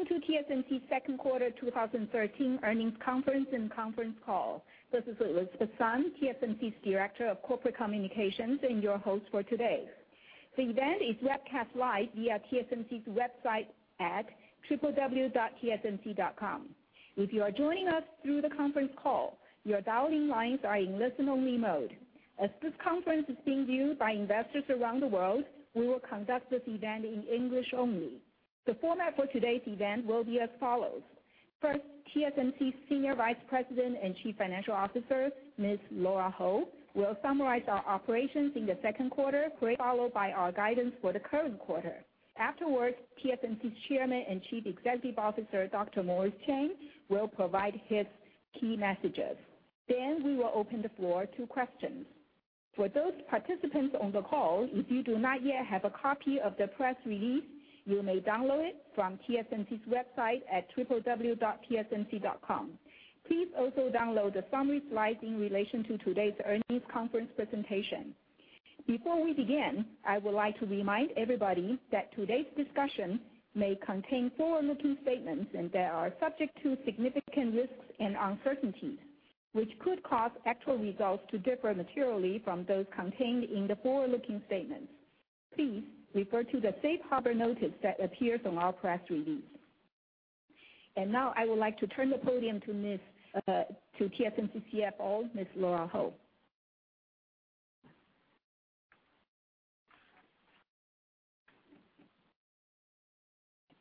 Welcome to TSMC's second quarter 2013 earnings conference and conference call. This is Elizabeth Sun, TSMC's Director of Corporate Communications, and your host for today. The event is webcast live via tsmc.com. If you are joining us through the conference call, your dialing lines are in listen-only mode. As this conference is being viewed by investors around the world, we will conduct this event in English only. The format for today's event will be as follows. First, TSMC's Senior Vice President and Chief Financial Officer, Ms. Lora Ho, will summarize our operations in the second quarter, followed by our guidance for the current quarter. Afterwards, TSMC's Chairman and Chief Executive Officer, Dr. Morris Chang, will provide his key messages. We will open the floor to questions. For those participants on the call, if you do not yet have a copy of the press release, you may download it from TSMC's website at tsmc.com. Please also download the summary slides in relation to today's earnings conference presentation. Before we begin, I would like to remind everybody that today's discussion may contain forward-looking statements, and they are subject to significant risks and uncertainties, which could cause actual results to differ materially from those contained in the forward-looking statements. Please refer to the safe harbor notice that appears on our press release. Now I would like to turn the podium to TSMC CFO, Ms. Lora Ho.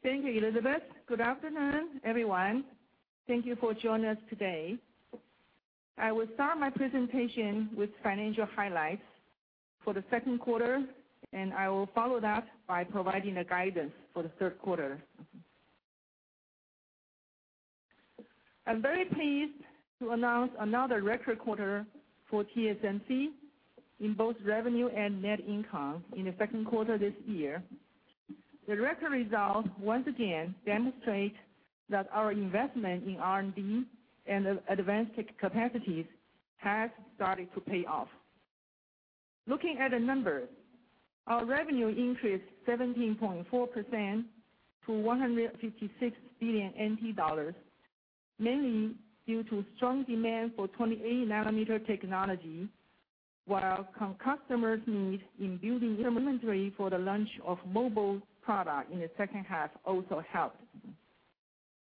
Thank you, Elizabeth. Good afternoon, everyone. Thank you for joining us today. I will start my presentation with financial highlights for the second quarter, and I will follow that by providing the guidance for the third quarter. I'm very pleased to announce another record quarter for TSMC in both revenue and net income in the second quarter of this year. The record results once again demonstrate that our investment in R&D and advanced capacities has started to pay off. Looking at the numbers, our revenue increased 17.4% to NTD 156 billion, mainly due to strong demand for 28 nanometer technology, while customers' need in building inventory for the launch of mobile product in the second half also helped.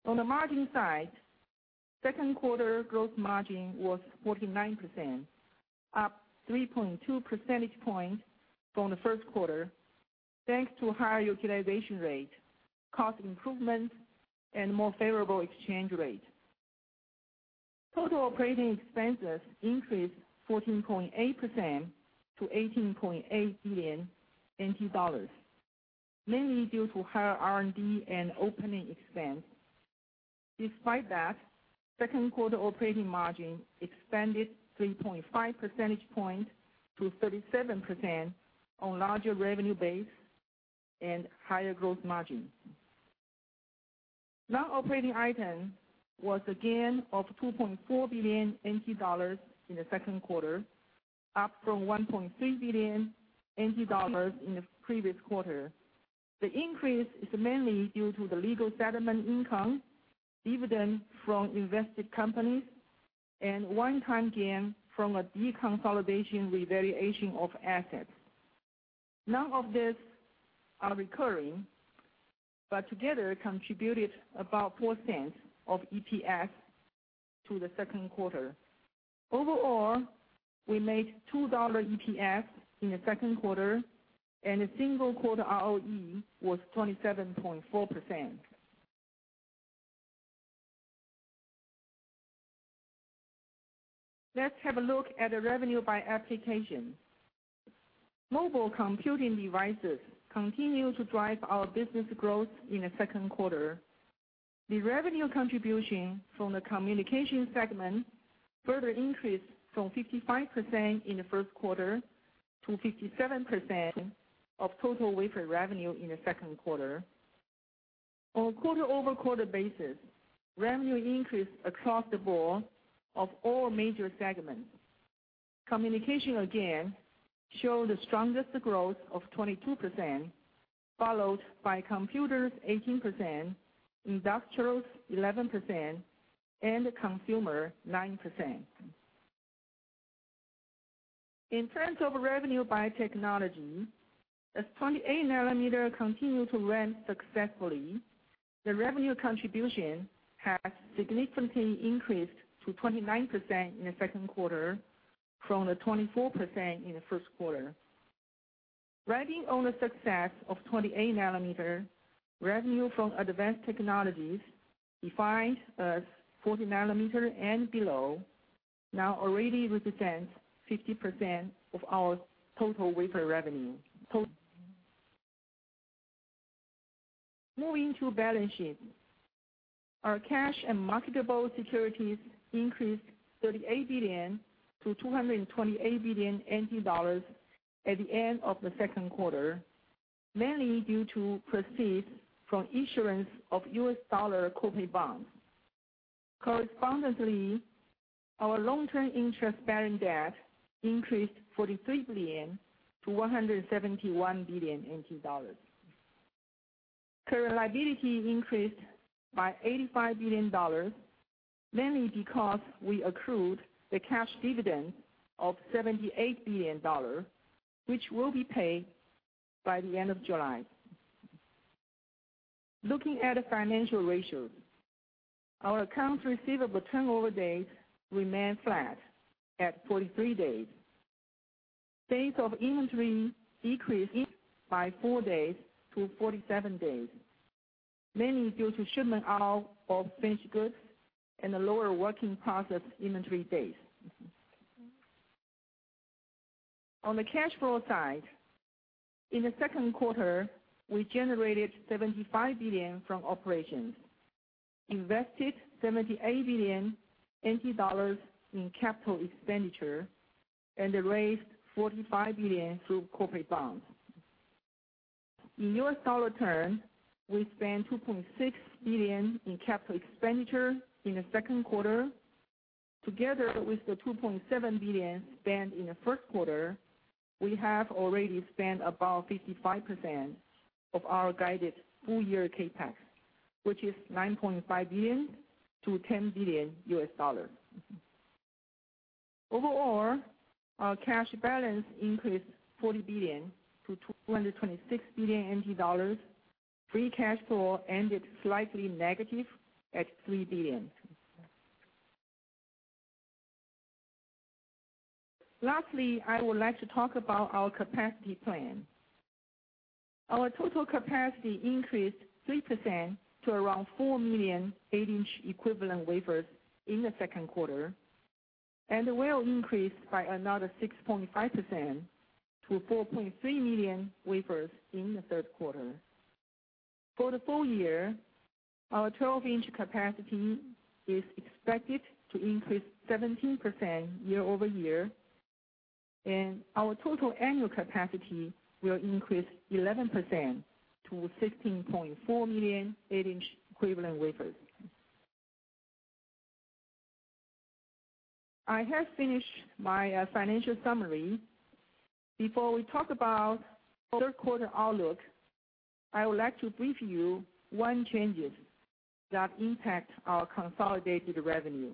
On the margin side, second quarter growth margin was 49%, up 3.2 percentage points from the first quarter, thanks to higher utilization rate, cost improvements, and more favorable exchange rate. Total operating expenses increased 14.8% to NTD 18.8 billion, mainly due to higher R&D and opening expense. Despite that, second quarter operating margin expanded 3.5 percentage points to 37% on larger revenue base and higher growth margin. Non-operating item was again of NTD 2.4 billion in the second quarter, up from NTD 1.3 billion in the previous quarter. The increase is mainly due to the legal settlement income, dividends from invested companies, and one-time gain from a deconsolidation revaluation of assets. None of these are recurring, but together contributed about NTD 0.04 of EPS to the second quarter. Overall, we made NTD 2 EPS in the second quarter, and the single quarter ROE was 27.4%. Let's have a look at the revenue by application. Mobile computing devices continue to drive our business growth in the second quarter. The revenue contribution from the communication segment further increased from 55% in the first quarter to 57% of total wafer revenue in the second quarter. On a quarter-over-quarter basis, revenue increased across the board of all major segments. Communication again showed the strongest growth of 22%, followed by computers 18%, industrials 11%, and consumer 9%. In terms of revenue by technology, as 28-nanometer continued to ramp successfully, the revenue contribution has significantly increased to 29% in the second quarter from the 24% in the first quarter. Riding on the success of 28-nanometer, revenue from advanced technologies defined as 40 nanometer and below now already represents 50% of our total wafer revenue. Moving to balance sheet. Our cash and marketable securities increased 38 billion to 228 billion NT dollars at the end of the second quarter, mainly due to proceeds from issuance of US dollar corporate bonds. Correspondingly, our long-term interest-bearing debt increased 43 billion to 171 billion NT dollars. Current liability increased by 85 billion dollars, mainly because we accrued the cash dividend of 78 billion dollars, which will be paid by the end of July. Looking at the financial ratio. Our accounts receivable turnover days remained flat at 43 days. Days of inventory decreased by 4 days to 47 days, mainly due to shipment out of finished goods and the lower working process inventory days. On the cash flow side, in the second quarter, we generated 75 billion from operations, invested 78 billion NT dollars in capital expenditure, and raised 45 billion through corporate bonds. In US dollar term, we spent $2.6 billion in capital expenditure in the second quarter. Together with the $2.7 billion spent in the first quarter, we have already spent about 55% of our guided full-year CapEx, which is $9.5 billion-$10 billion. Overall, our cash balance increased 40 billion to 226 billion NT dollars. Free cash flow ended slightly negative at 3 billion. Lastly, I would like to talk about our capacity plan. Our total capacity increased 3% to around 4 million 8-inch equivalent wafers in the second quarter, and will increase by another 6.5% to 4.3 million wafers in the third quarter. For the full year, our 12-inch capacity is expected to increase 17% year-over-year, and our total annual capacity will increase 11% to 16.4 million 8-inch equivalent wafers. I have finished my financial summary. Before we talk about third quarter outlook, I would like to brief you one change that impacts our consolidated revenue.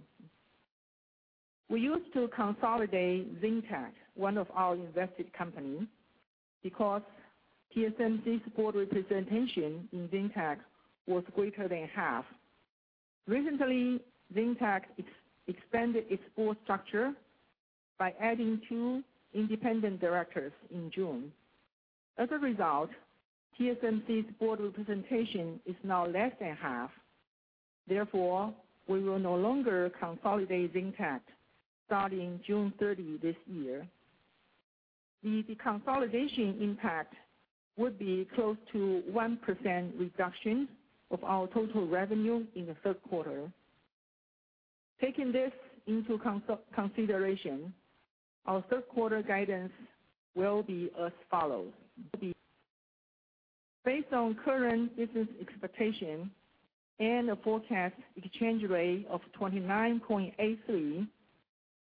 We used to consolidate Xintec, one of our invested company, because TSMC's board representation in Xintec was greater than half. Recently, Xintec expanded its board structure by adding two independent directors in June. As a result, TSMC's board representation is now less than half. Therefore, we will no longer consolidate Xintec starting June 30 this year. The deconsolidation impact would be close to 1% reduction of our total revenue in the third quarter. Taking this into consideration, our third quarter guidance will be as follows. Based on current business expectation and a forecast exchange rate of 29.83,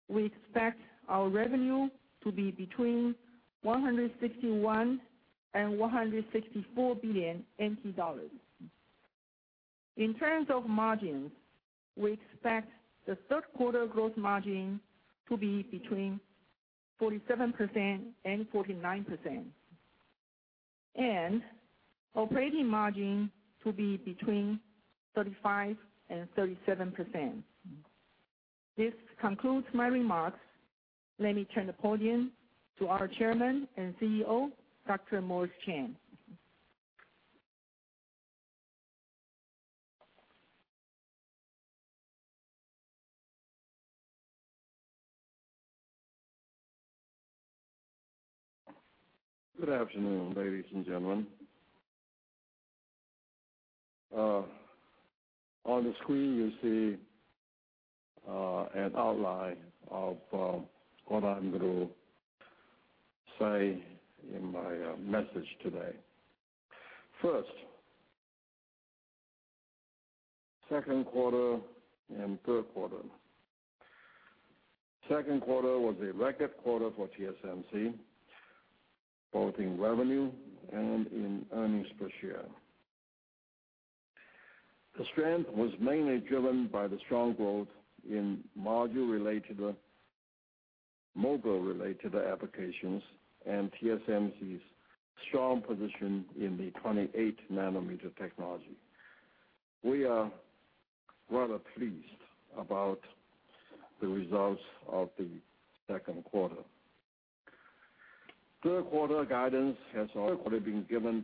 we expect our revenue to be between 161 billion and 164 billion NT dollars. In terms of margins, we expect the third quarter growth margin to be between 47% and 49%, and operating margin to be between 35% and 37%. This concludes my remarks. Let me turn the podium to our Chairman and CEO, Dr. Morris Chang. Good afternoon, ladies and gentlemen. On the screen, you see an outline of what I'm going to say in my message today. First, second quarter and third quarter. Second quarter was a record quarter for TSMC, both in revenue and in earnings per share. The strength was mainly driven by the strong growth in mobile related applications, and TSMC's strong position in the 28-nanometer technology. We are rather pleased about the results of the second quarter. Third quarter guidance has already been given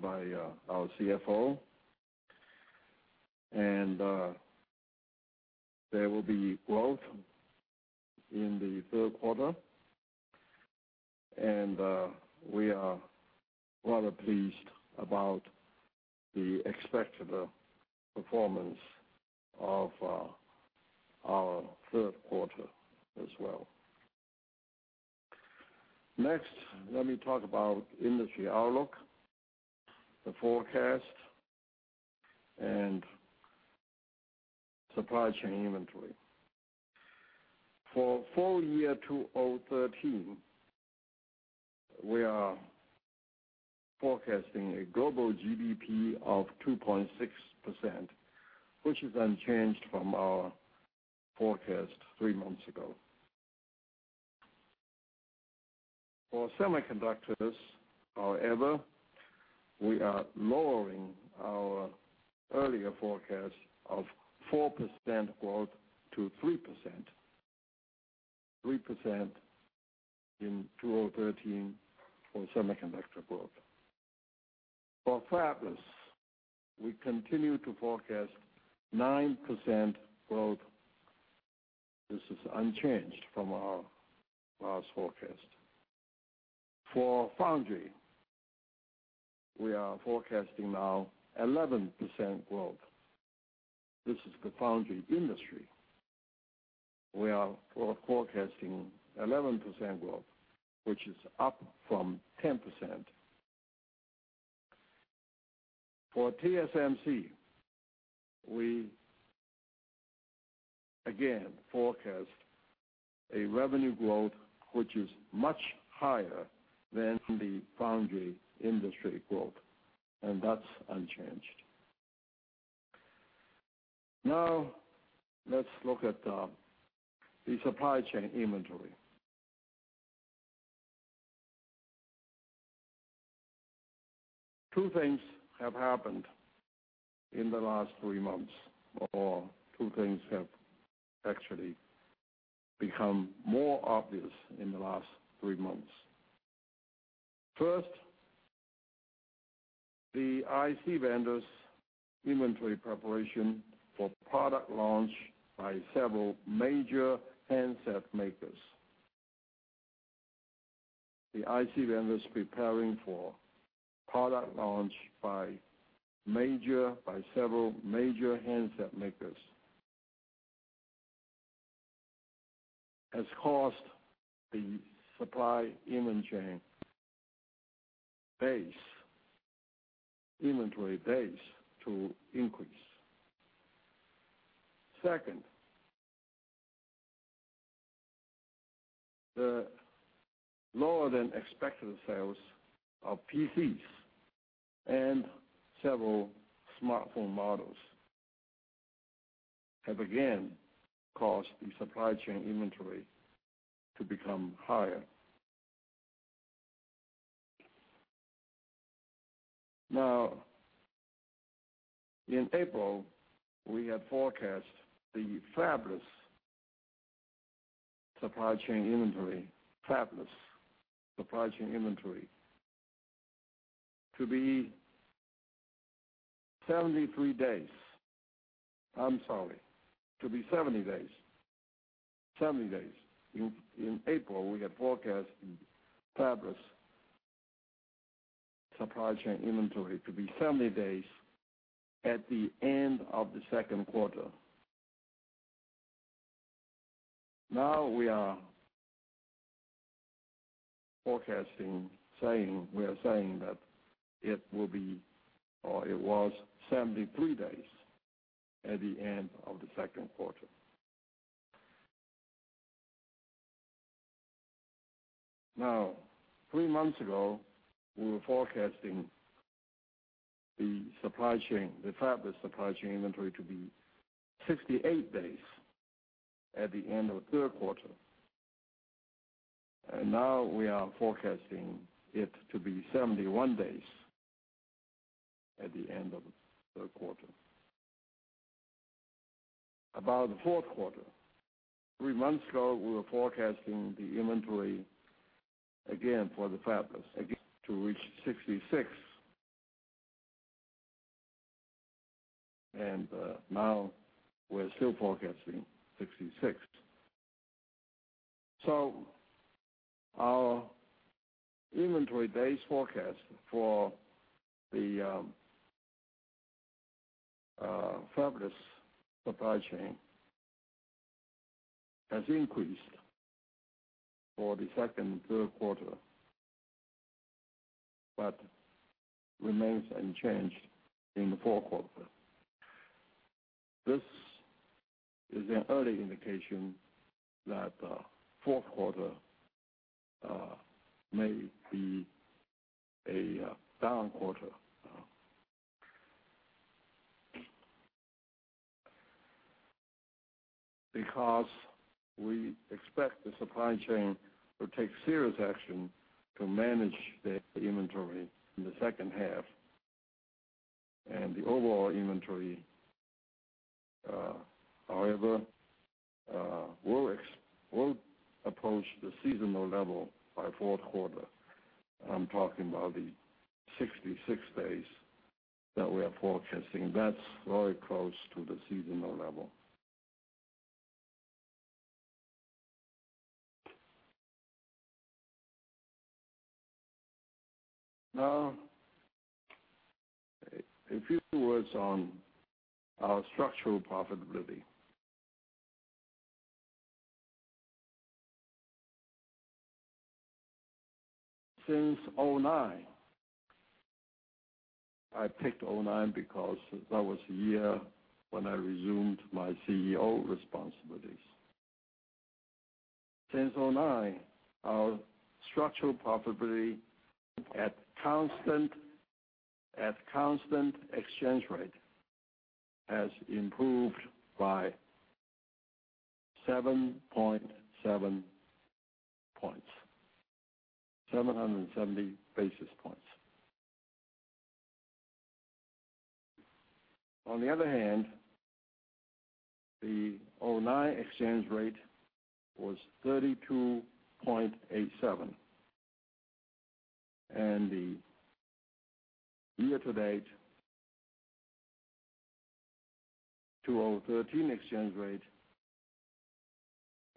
by our CFO, and there will be growth in the third quarter, and we are rather pleased about the expected performance of our third quarter as well. Next, let me talk about industry outlook, the forecast, and supply chain inventory. For full year 2013, we are forecasting a global GDP of 2.6%, which is unchanged from our forecast three months ago. For semiconductors, however, we are lowering our earlier forecast of 4% growth to 3% in 2013 for semiconductor growth. For fabless, we continue to forecast 9% growth. This is unchanged from our last forecast. For foundry, we are forecasting now 11% growth. This is the foundry industry. We are forecasting 11% growth, which is up from 10%. For TSMC, we again forecast a revenue growth which is much higher than the foundry industry growth, and that's unchanged. Now let's look at the supply chain inventory. Two things have happened in the last three months, or two things have actually become more obvious in the last three months. First, the IC vendors' inventory preparation for product launch by several major handset makers. The IC vendors preparing for product launch by several major handset makers has caused the supply chain inventory days to increase. Second, the lower than expected sales of PCs and several smartphone models have again caused the supply chain inventory to become higher. Now, in April, we had forecast the fabless supply chain inventory to be 73 days. I'm sorry, to be 70 days. In April, we had forecast the fabless supply chain inventory to be 70 days at the end of the second quarter. Now we are forecasting, we are saying that it will be, or it was 73 days at the end of the second quarter. Now, three months ago, we were forecasting the fabless supply chain inventory to be 68 days at the end of third quarter. Now we are forecasting it to be 71 days at the end of the third quarter. About the fourth quarter, three months ago, we were forecasting the inventory, again for the fabless, to reach 66, and now we're still forecasting 66. Our inventory days forecast for the fabless supply chain has increased for the second and third quarter, but remains unchanged in the fourth quarter. This is an early indication that fourth quarter may be a down quarter, because we expect the supply chain will take serious action to manage their inventory in the second half. The overall inventory, however, will approach the seasonal level by fourth quarter. I'm talking about the 66 days that we are forecasting. That's very close to the seasonal level. A few words on our structural profitability. Since 2009, I picked 2009 because that was the year when I resumed my CEO responsibilities. Since 2009, our structural profitability at constant exchange rate has improved by 7.7 points, 770 basis points. On the other hand, the 2009 exchange rate was 32.87, and the year-to-date 2013 exchange rate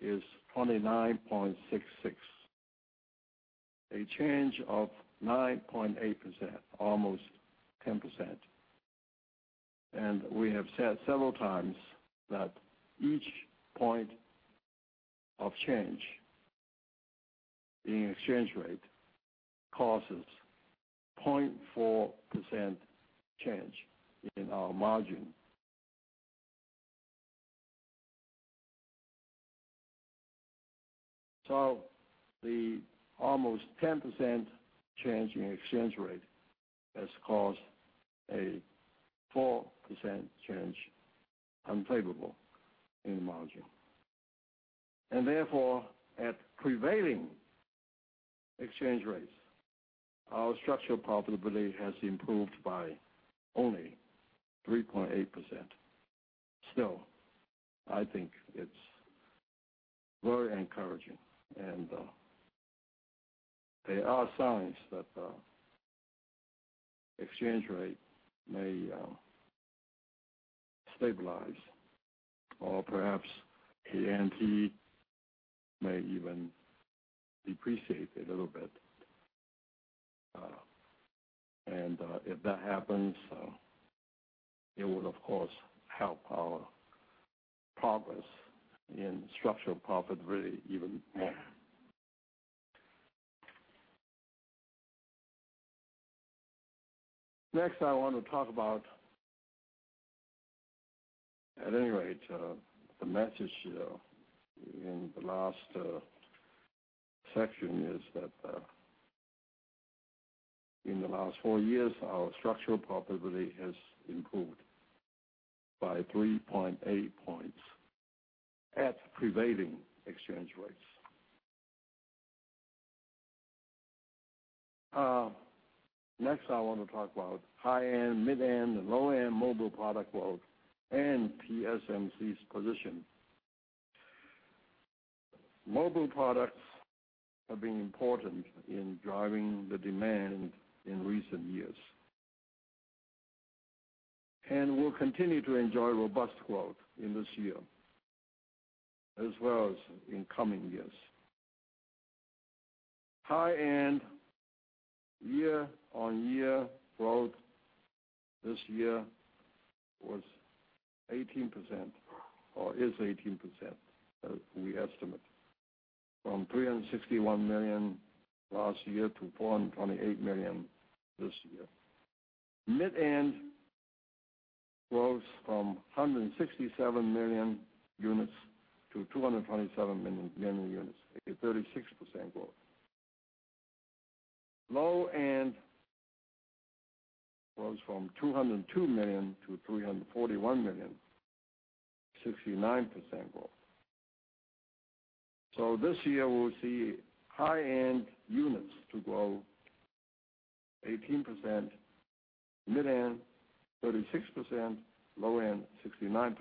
is 29.66, a change of 9.8%, almost 10%. We have said several times that each point of change in exchange rate causes 0.4% change in our margin. The almost 10% change in exchange rate has caused a 4% change unfavorable in margin. Therefore, at prevailing exchange rates, our structural profitability has improved by only 3.8%. Still, I think it's very encouraging, and there are signs that the exchange rate may stabilize, or perhaps NTD may even depreciate a little bit. If that happens, it would of course help our progress in structural profitability even more. At any rate, the message in the last section is that in the last four years, our structural profitability has improved by 3.8 points at prevailing exchange rates. Next, I want to talk about high-end, mid-end, and low-end mobile product growth and TSMC's position. Mobile products have been important in driving the demand in recent years and will continue to enjoy robust growth in this year as well as in coming years. High-end year-on-year growth this year was 18%, or is 18%, we estimate, from 361 million last year to 428 million this year. Mid-end grows from 167 million units to 227 million units, a 36% growth. Low-end grows from 202 million to 341 million, 69% growth. This year, we'll see high-end units to grow 18%, mid-end 36%, low-end 69%,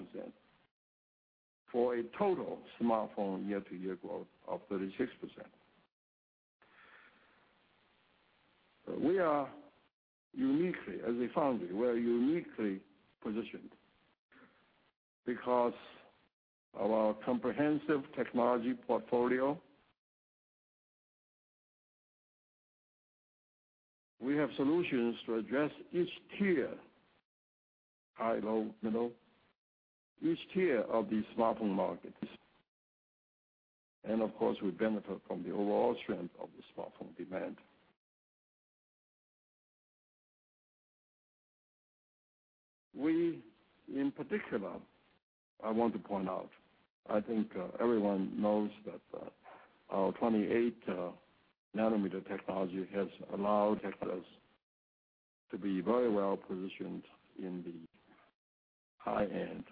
for a total smartphone year-to-year growth of 36%. We are uniquely, as a foundry, we're uniquely positioned because our comprehensive technology portfolio, we have solutions to address each tier, high, low, middle, each tier of the smartphone market. Of course, we benefit from the overall strength of the smartphone demand. We, in particular, I want to point out, I think everyone knows that our 28-nanometer technology has allowed us to be very well positioned in the high end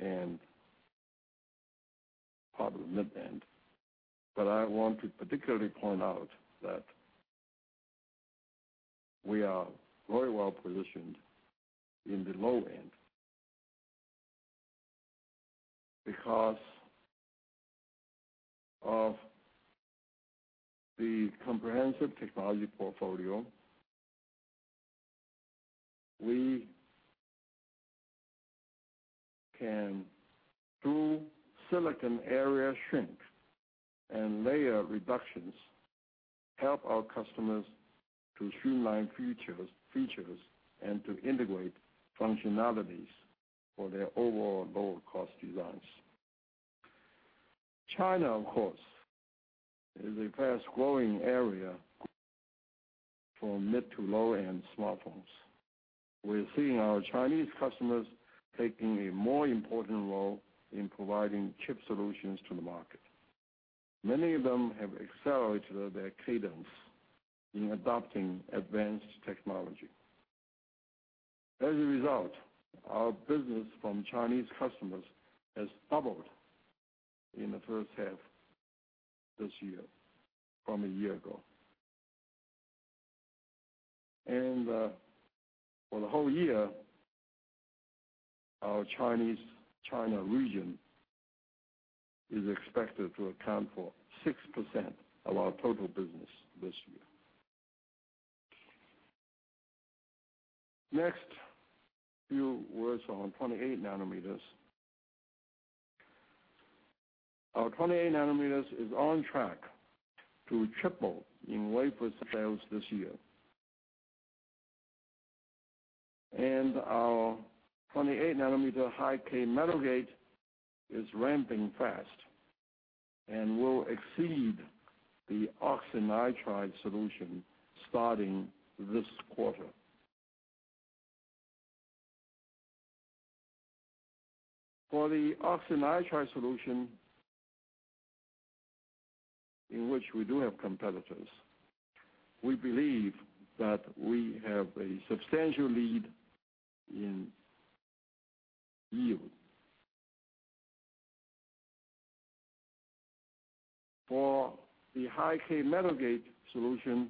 and part of the mid end. I want to particularly point out that we are very well positioned in the low end. Because of the comprehensive technology portfolio, we can do silicon area shrink and layer reductions help our customers to streamline features and to integrate functionalities for their overall lower cost designs. China, of course, is a fast-growing area for mid to low-end smartphones. We're seeing our Chinese customers taking a more important role in providing chip solutions to the market. Many of them have accelerated their cadence in adopting advanced technology. As a result, our business from Chinese customers has doubled in the first half this year from a year ago. For the whole year, our China region is expected to account for 6% of our total business this year. Next, a few words on 28-nanometer. Our 28-nanometer is on track to triple in wafer sales this year. Our 28-nanometer High-K Metal Gate is ramping fast and will exceed the oxynitride solution starting this quarter. For the oxynitride solution, in which we do have competitors, we believe that we have a substantial lead in yield. For the High-K Metal Gate solution,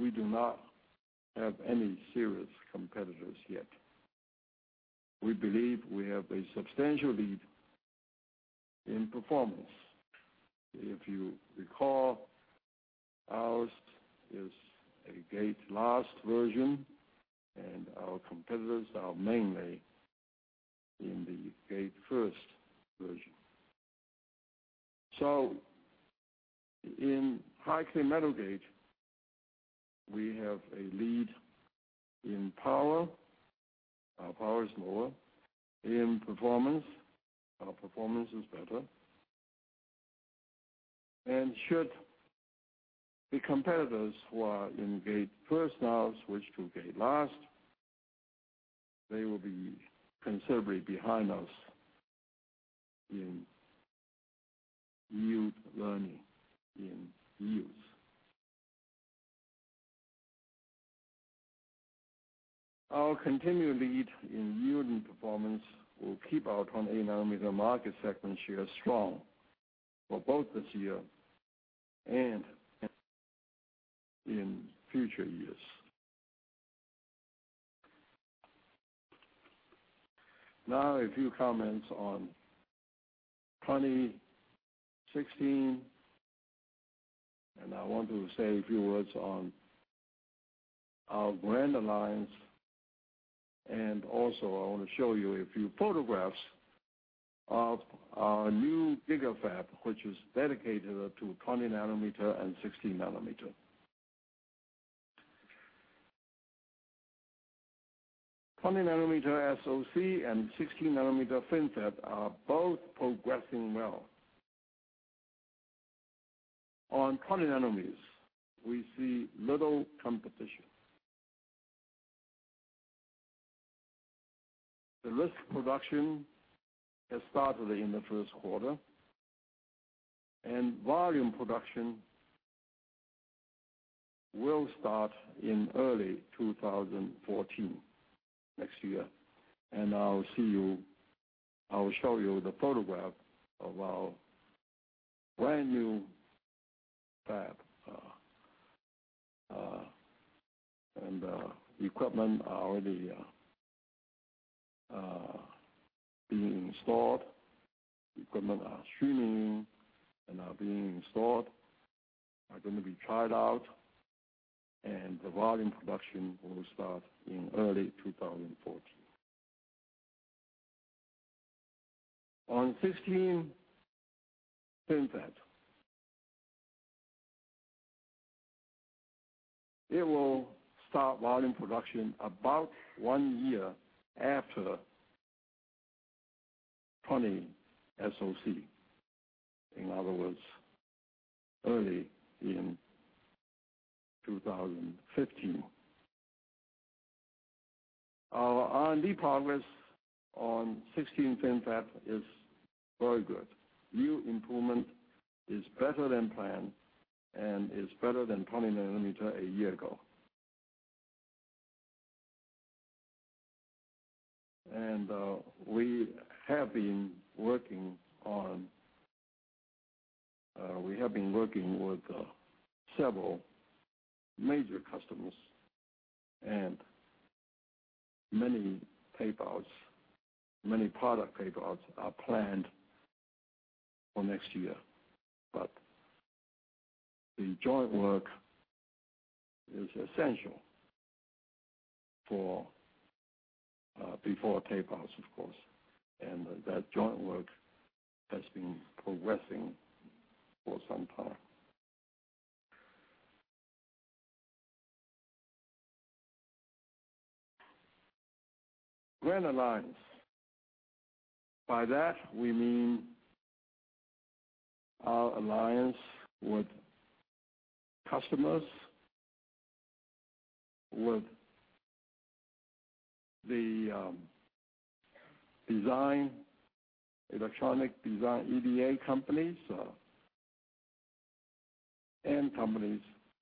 we do not have any serious competitors yet. We believe we have a substantial lead in performance. If you recall, ours is a gate-last version, our competitors are mainly in the gate-first version. In High-K Metal Gate, we have a lead in power. Our power is lower. In performance, our performance is better. Should the competitors who are in gate-first now switch to gate-last, they will be considerably behind us in yield learning, in yields. Our continued lead in yield and performance will keep our 28-nanometer market segment share strong for both this year and in future years. A few comments on 2016, I want to say a few words on our Grand Alliance, also I want to show you a few photographs of our new GigaFab, which is dedicated to 20-nanometer and 16-nanometer. 20-nanometer SoC and 16-nanometer FinFET are both progressing well. On 20-nanometer, we see little competition. The risk production has started in the first quarter, volume production will start in early 2014, next year. I will show you the photograph of our brand-new fab. The equipment are already being installed. Equipment are streaming in and are being installed, are going to be tried out, volume production will start in early 2014. On 16 FinFET, it will start volume production about one year after 20 SoC. In other words, early in 2015. Our R&D progress on 16 FinFET is very good. Yield improvement is better than planned and is better than 20-nanometer a year ago. We have been working with several major customers, many product tape-outs are planned for next year. The joint work is essential before tape-outs, of course, that joint work has been progressing for some time. Grand Alliance, by that we mean our alliance with customers, with the electronic design, EDA companies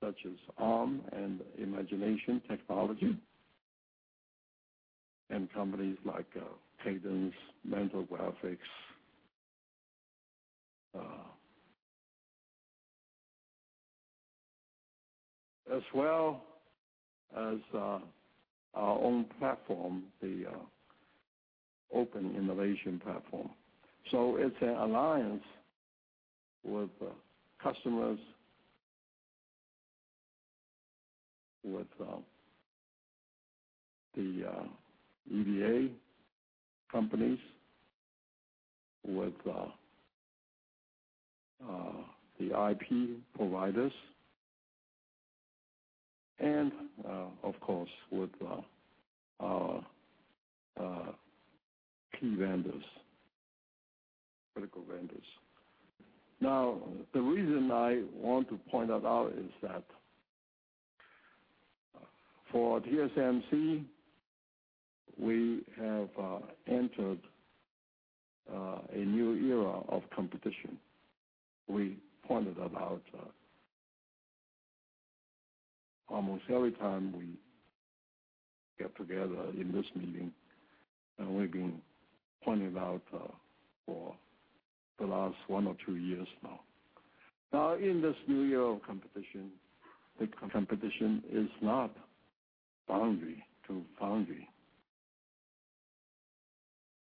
such as Arm and Imagination Technologies, companies like Cadence, Mentor Graphics, as well as our own platform, the Open Innovation Platform. It's an alliance with customers, with the EDA companies, with the IP providers and, of course, with our key vendors, critical vendors. The reason I want to point that out is that for TSMC, we have entered a new era of competition. We pointed that out almost every time we get together in this meeting, we've been pointing it out for the last one or two years now. In this new era of competition, the competition is not foundry to foundry.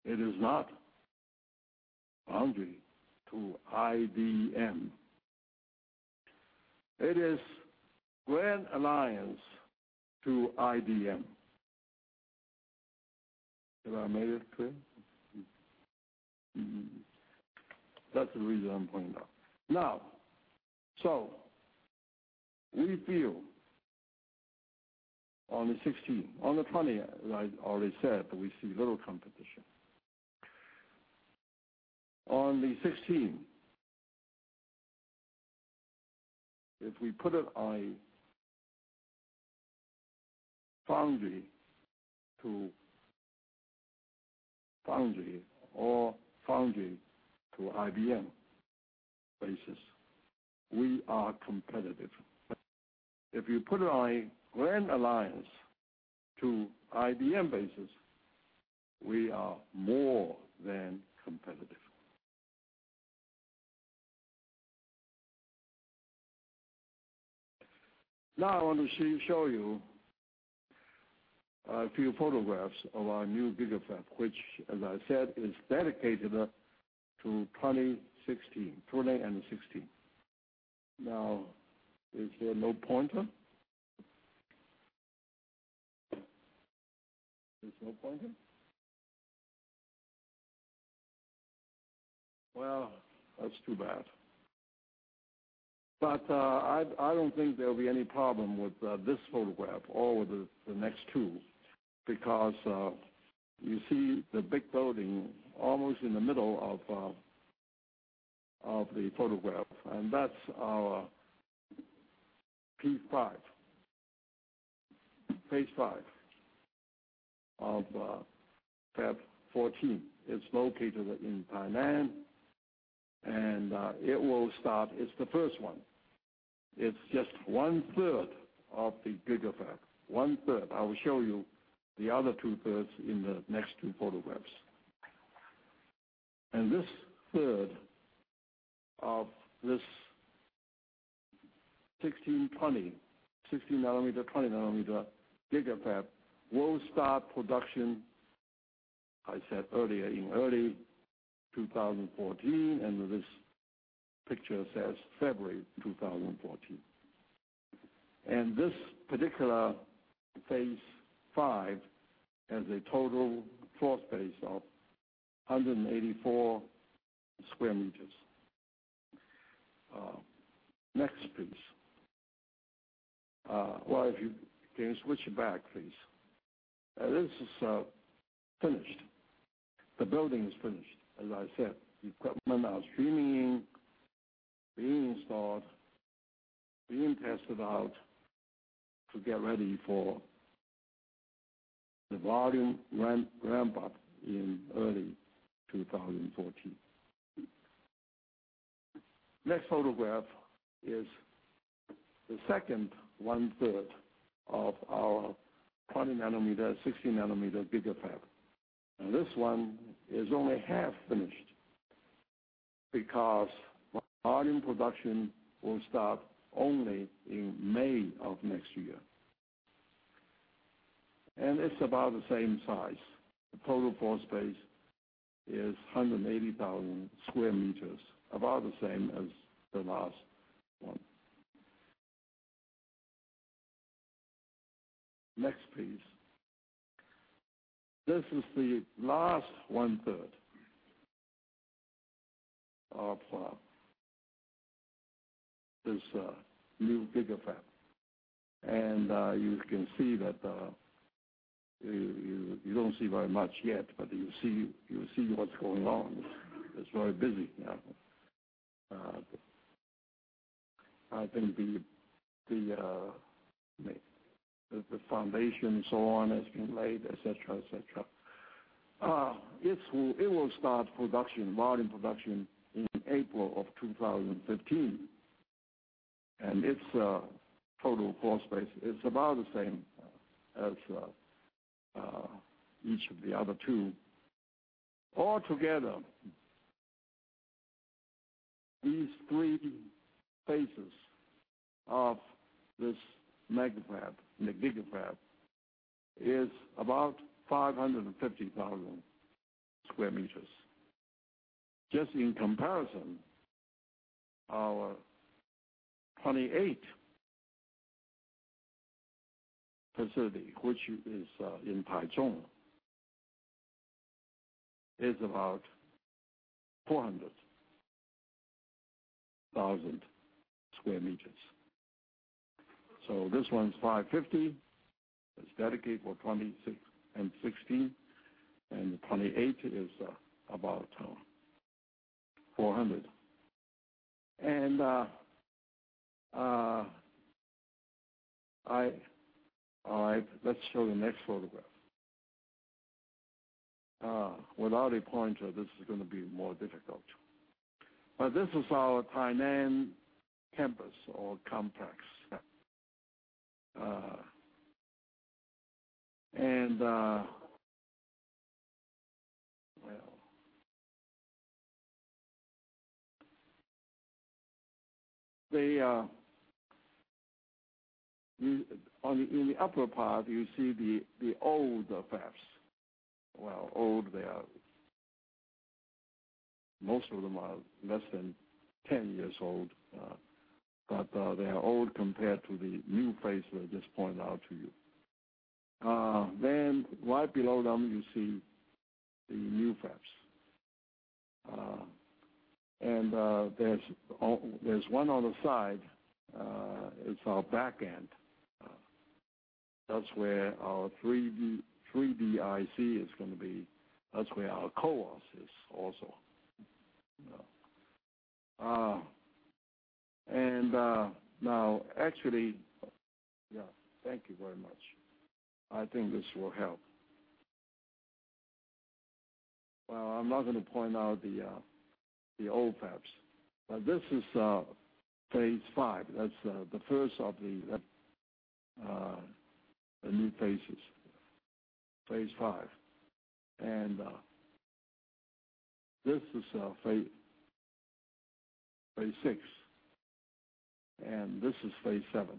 It is not foundry to IDM. It is Grand Alliance to IDM. Have I made it clear? That's the reason I'm pointing it out. We feel on the 20, as I already said, that we see little competition. On the 16, if we put it on a foundry to foundry or foundry to IDM basis, we are competitive. If you put it on a Grand Alliance to IDM basis, we are more than competitive. I want to show you a few photographs of our new GigaFab, which as I said, is dedicated to 2016. Is there no pointer? There's no pointer. Well, that's too bad. I don't think there will be any problem with this photograph or with the next two, because you see the big building almost in the middle of the photograph, and that's our P5, phase 5 of Fab 14. It's located in Tainan, and it's the first one. It's just one-third of the GigaFab. One third. I will show you the other two-thirds in the next two photographs. This third of this 16/20, 16-nanometer, 20-nanometer GigaFab will start production, I said earlier, in early 2014, and this picture says February 2014. This particular phase 5 has a total floor space of 184 sq m. Next, please. Well, can you switch it back, please? This is finished. The building is finished. As I said, equipment are streaming in, being installed, being tested out to get ready for the volume ramp-up in early 2014. Next photograph is the second one-third of our 20-nanometer, 16-nanometer GigaFab. This one is only half finished because volume production will start only in May of next year. It's about the same size. The total floor space is 180,000 sq m, about the same as the last one. Next, please. This is the last one-third of this new GigaFab. You can see that you don't see very much yet, but you'll see what's going on. It's very busy now. I think the foundation, so on, has been laid, et cetera. It will start volume production in April of 2015. Its total floor space is about the same as each of the other two. Altogether, these 3 phases of this GigaFab is about 550,000 sq m. Just in comparison, our 28 facility, which is in Taichung, is about 400,000 sq m. This one's 550. It's dedicated for 2016, the 28 is about 400. All right, let's show the next photograph. Without a pointer, this is going to be more difficult. This is our Tainan campus or complex. Well. In the upper part, you see the older fabs. Well, old, most of them are less than 10 years old. They are old compared to the new place that I just pointed out to you. Right below them, you see the new fabs. There's one other side, it's our back end. That's where our 3D IC is going to be. That's where our CoWoS is also. Now actually, yeah. Thank you very much. I think this will help. Well, I'm not going to point out the old fabs. This is phase 5. That's the first of the new phases, phase 5. This is phase 6. This is phase 7.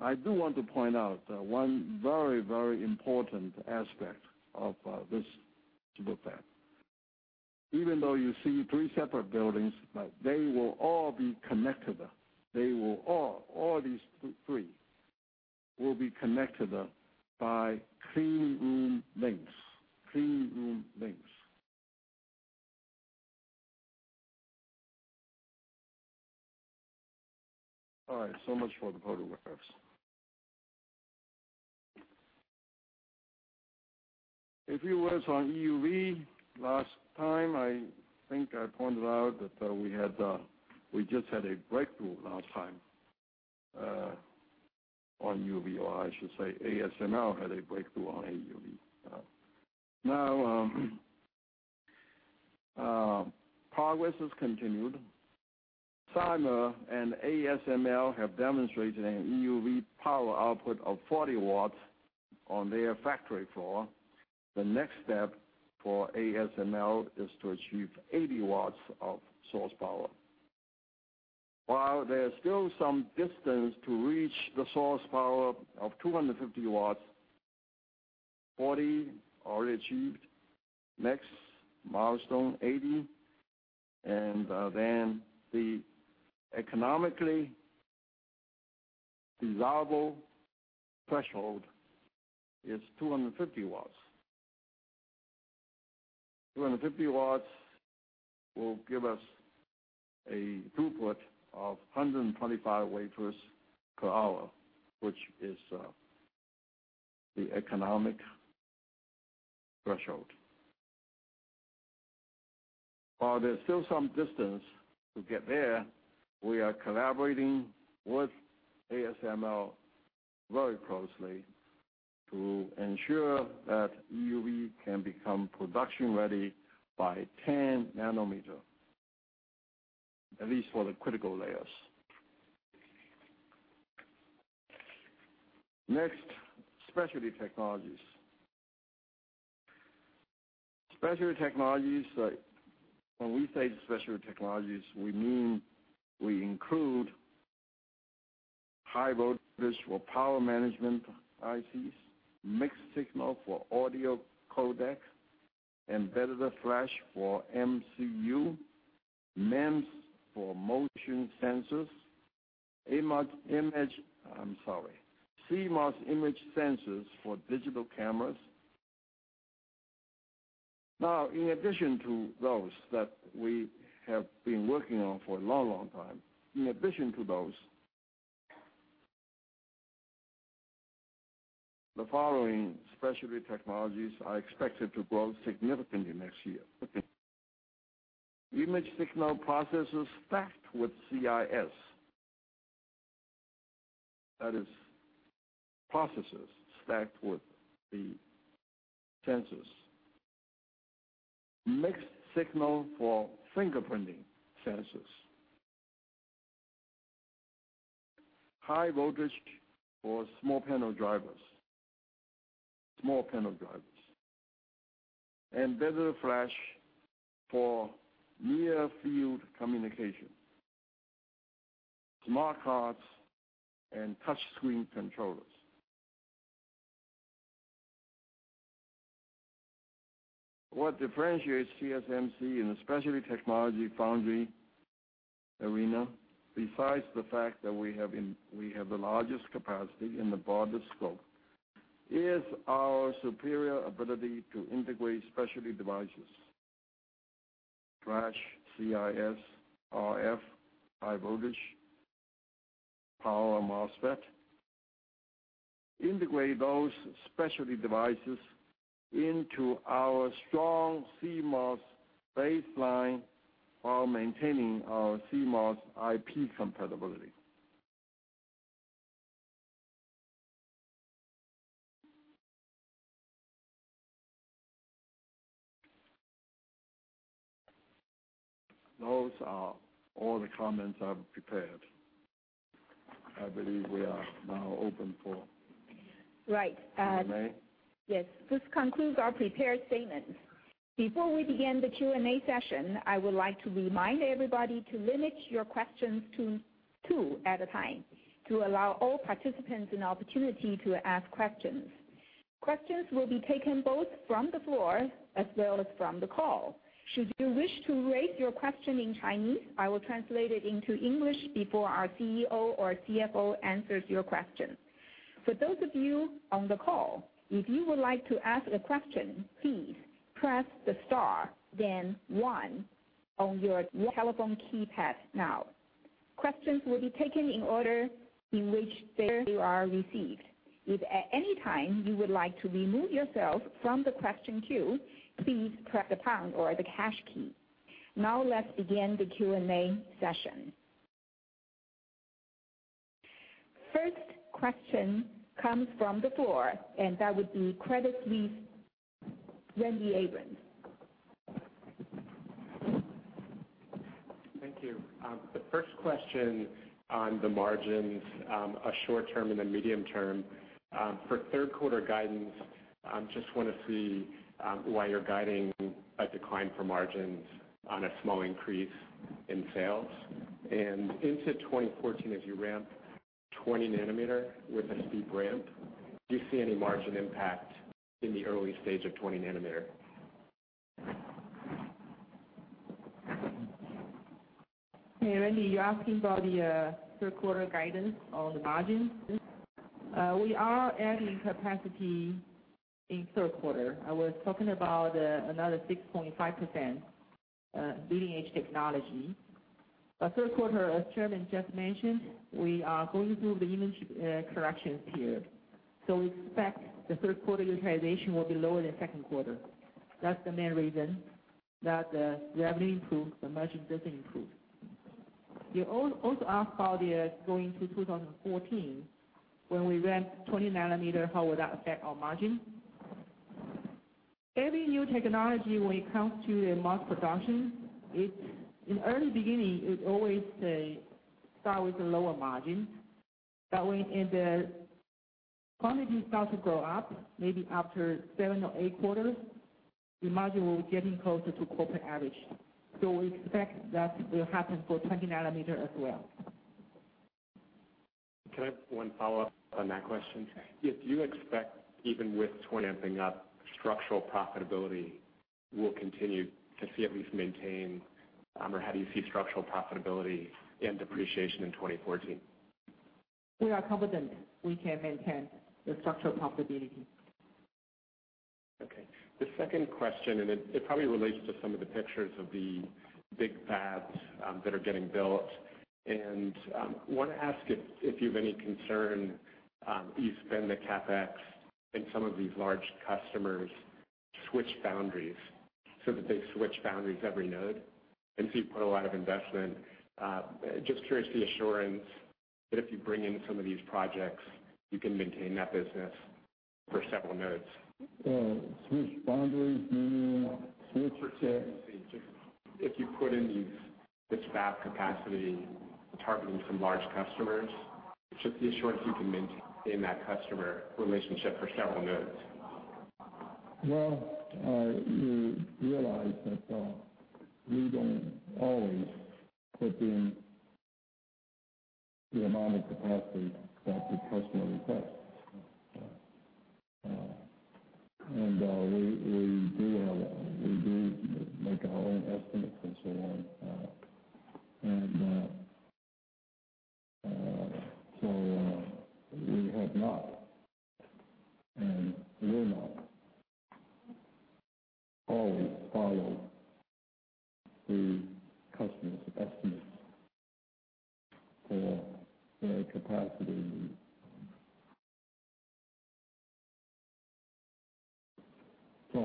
I do want to point out one very important aspect of this super fab. Even though you see three separate buildings, they will all be connected. All these three will be connected by clean room links. All right, so much for the photographs. If you were on EUV last time, I think I pointed out that we just had a breakthrough last time on EUV, or I should say ASML had a breakthrough on EUV. Progress has continued. Cymer and ASML have demonstrated an EUV power output of 40 watts on their factory floor. The next step for ASML is to achieve 80 watts of source power. While there's still some distance to reach the source power of 250 watts, 40 already achieved. Next milestone, 80, and then the economically desirable threshold is 250 watts. 250 watts will give us a throughput of 125 wafers per hour, which is the economic threshold. While there's still some distance to get there, we are collaborating with ASML very closely to ensure that EUV can become production ready by 10 nanometer, at least for the critical layers. Next, specialty technologies. When we say specialty technologies, we include high voltage for power management ICs, mixed-signal for audio codec, embedded flash for MCU, MEMS for motion sensors, CMOS image sensors for digital cameras. In addition to those that we have been working on for a long time, the following specialty technologies are expected to grow significantly next year. Image signal processors stacked with CIS. That is, processors stacked with the sensors. Mixed-signal for fingerprinting sensors. High voltage for small panel drivers. Embedded flash for near-field communication, smart cards, and touch screen controllers. What differentiates TSMC in the specialty technology foundry arena, besides the fact that we have the largest capacity and the broadest scope, is our superior ability to integrate specialty devices. Flash, CIS, RF, high voltage, power MOSFET, integrate those specialty devices into our strong CMOS baseline while maintaining our CMOS IP compatibility. Those are all the comments I've prepared. I believe we are now open for Q&A. Right. Q&A? Yes. This concludes our prepared statement. Before we begin the Q&A session, I would like to remind everybody to limit your questions to two at a time, to allow all participants an opportunity to ask questions. Questions will be taken both from the floor as well as from the call. Should you wish to raise your question in Chinese, I will translate it into English before our CEO or CFO answers your question. For those of you on the call, if you would like to ask a question, please press the star, then one on your telephone keypad now. Questions will be taken in the order in which they are received. If at any time you would like to remove yourself from the question queue, please press the pound or the hash key. Let's begin the Q&A session. First question comes from the floor, that would be Credit Suisse, Randy Abrams. Thank you. The first question on the margins, short term, then medium term. For third quarter guidance, just want to see why you're guiding a decline for margins on a small increase in sales. Into 2014, as you ramp 20-nanometer with a steep ramp, do you see any margin impact in the early stage of 20-nanometer? Hey, Randy, you're asking about the third quarter guidance on the margins? Yes. We are adding capacity in the third quarter. I was talking about another 6.5% leading-edge technology. Third quarter, as Chairman just mentioned, we are going through the inventory correction period. We expect the third quarter utilization will be lower than second quarter. That's the main reason that the revenue improves, the margin doesn't improve. You also asked how going into 2014, when we ramp 20-nanometer, how would that affect our margin? Every new technology, when it comes to mass production, in the early beginning, it always starts with a lower margin. When the quantity starts to go up, maybe after seven or eight quarters, the margin will be getting closer to corporate average. We expect that will happen for 20-nanometer as well. Can I have one follow-up on that question? Okay. Do you expect, even with 20 ramping up, structural profitability will continue to see at least maintain, or how do you see structural profitability and depreciation in 2014? We are confident we can maintain the structural profitability. Okay. The second question, and it probably relates to some of the pictures of the big fabs that are getting built. Want to ask if you've any concern you spend the CapEx and some of these large customers switch foundries, so that they switch foundries every node, and so you put a lot of investment. Just curious the assurance that if you bring in some of these projects, you can maintain that business for several nodes. Switch foundries meaning switch to? Let's see. Just if you put in This fab capacity targeting some large customers, just to be sure, if you can maintain that customer relationship for several nodes. Well, you realize that we don't always put in the amount of capacity that the customer requests. We do make our own estimates and so on. We have not and will not always follow the customer's estimates for their capacity. I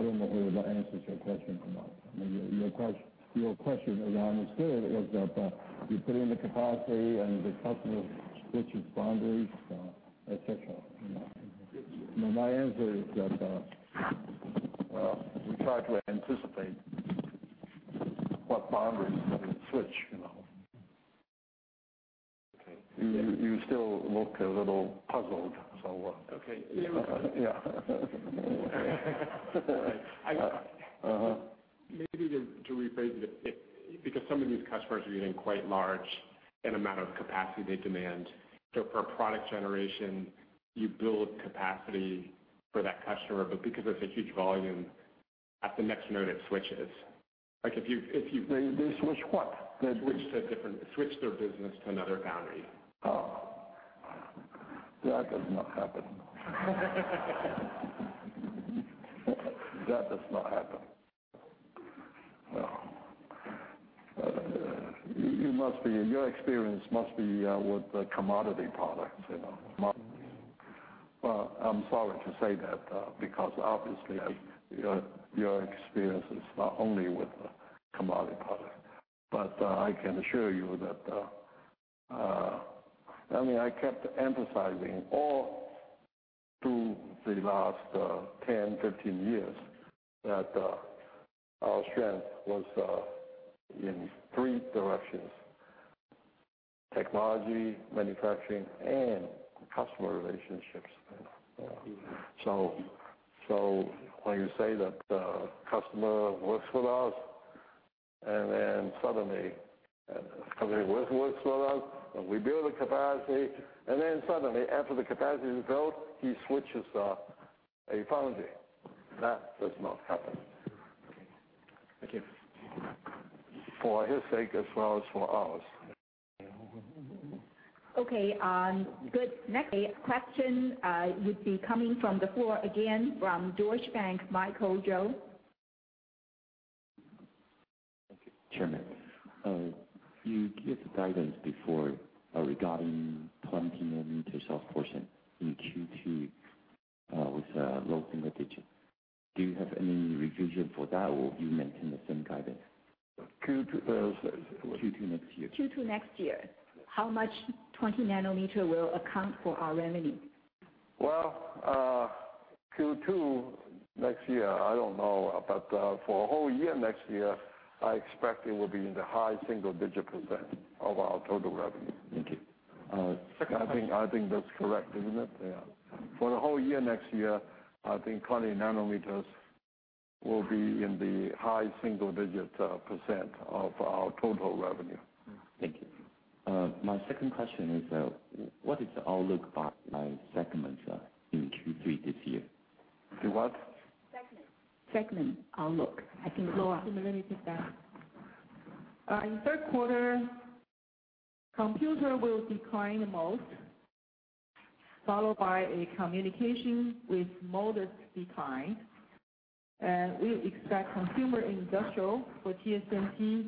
don't know whether that answers your question or not. I mean, your question as I understood it was that you put in the capacity, the customer switches foundries, et cetera. Yes. My answer is that, well, we try to anticipate what foundries they would switch. Okay. You still look a little puzzled. Okay. Yeah. Yeah. Maybe to rephrase it, because some of these customers are getting quite large in amount of capacity they demand. For a product generation, you build capacity for that customer, but because it's a huge volume, at the next node it switches. They switch what? Switch their business to another foundry. Oh. That does not happen. That does not happen. No. Your experience must be with the commodity products. Well, I'm sorry to say that, because obviously, your experience is not only with commodity product. I can assure you that I kept emphasizing all through the last 10, 15 years that our strength was in three directions: technology, manufacturing, and customer relationships. When you say that the customer works with us, suddenly a company works with us, and we build the capacity, suddenly after the capacity is built, he switches a foundry. That does not happen. Okay. Thank you. For his sake as well as for ours. Okay. Good. Next question would be coming from the floor again from Deutsche Bank, Michael chou. Thank you. Chairman, you gave the guidance before regarding 20 nanometer sales portion in Q2 with a low single digit. Do you have any revision for that, or you maintain the same guidance? Q2 for? Q2 next year. Q2 next year. How much 20-nanometer will account for our revenue? Well, Q2 next year, I don't know. For a whole year next year, I expect it will be in the high single-digit % of our total revenue. Thank you. I think that's correct, isn't it? Yeah. For the whole year next year, I think 20-nanometer will be in the high single-digit % of our total revenue. Thank you. My second question is, what is the outlook by segments in Q3 this year? The what? Segment. Segment outlook. I think Lora can maybe take that. In third quarter, computer will decline the most, followed by a communication with modest decline. We expect consumer industrial for TSMC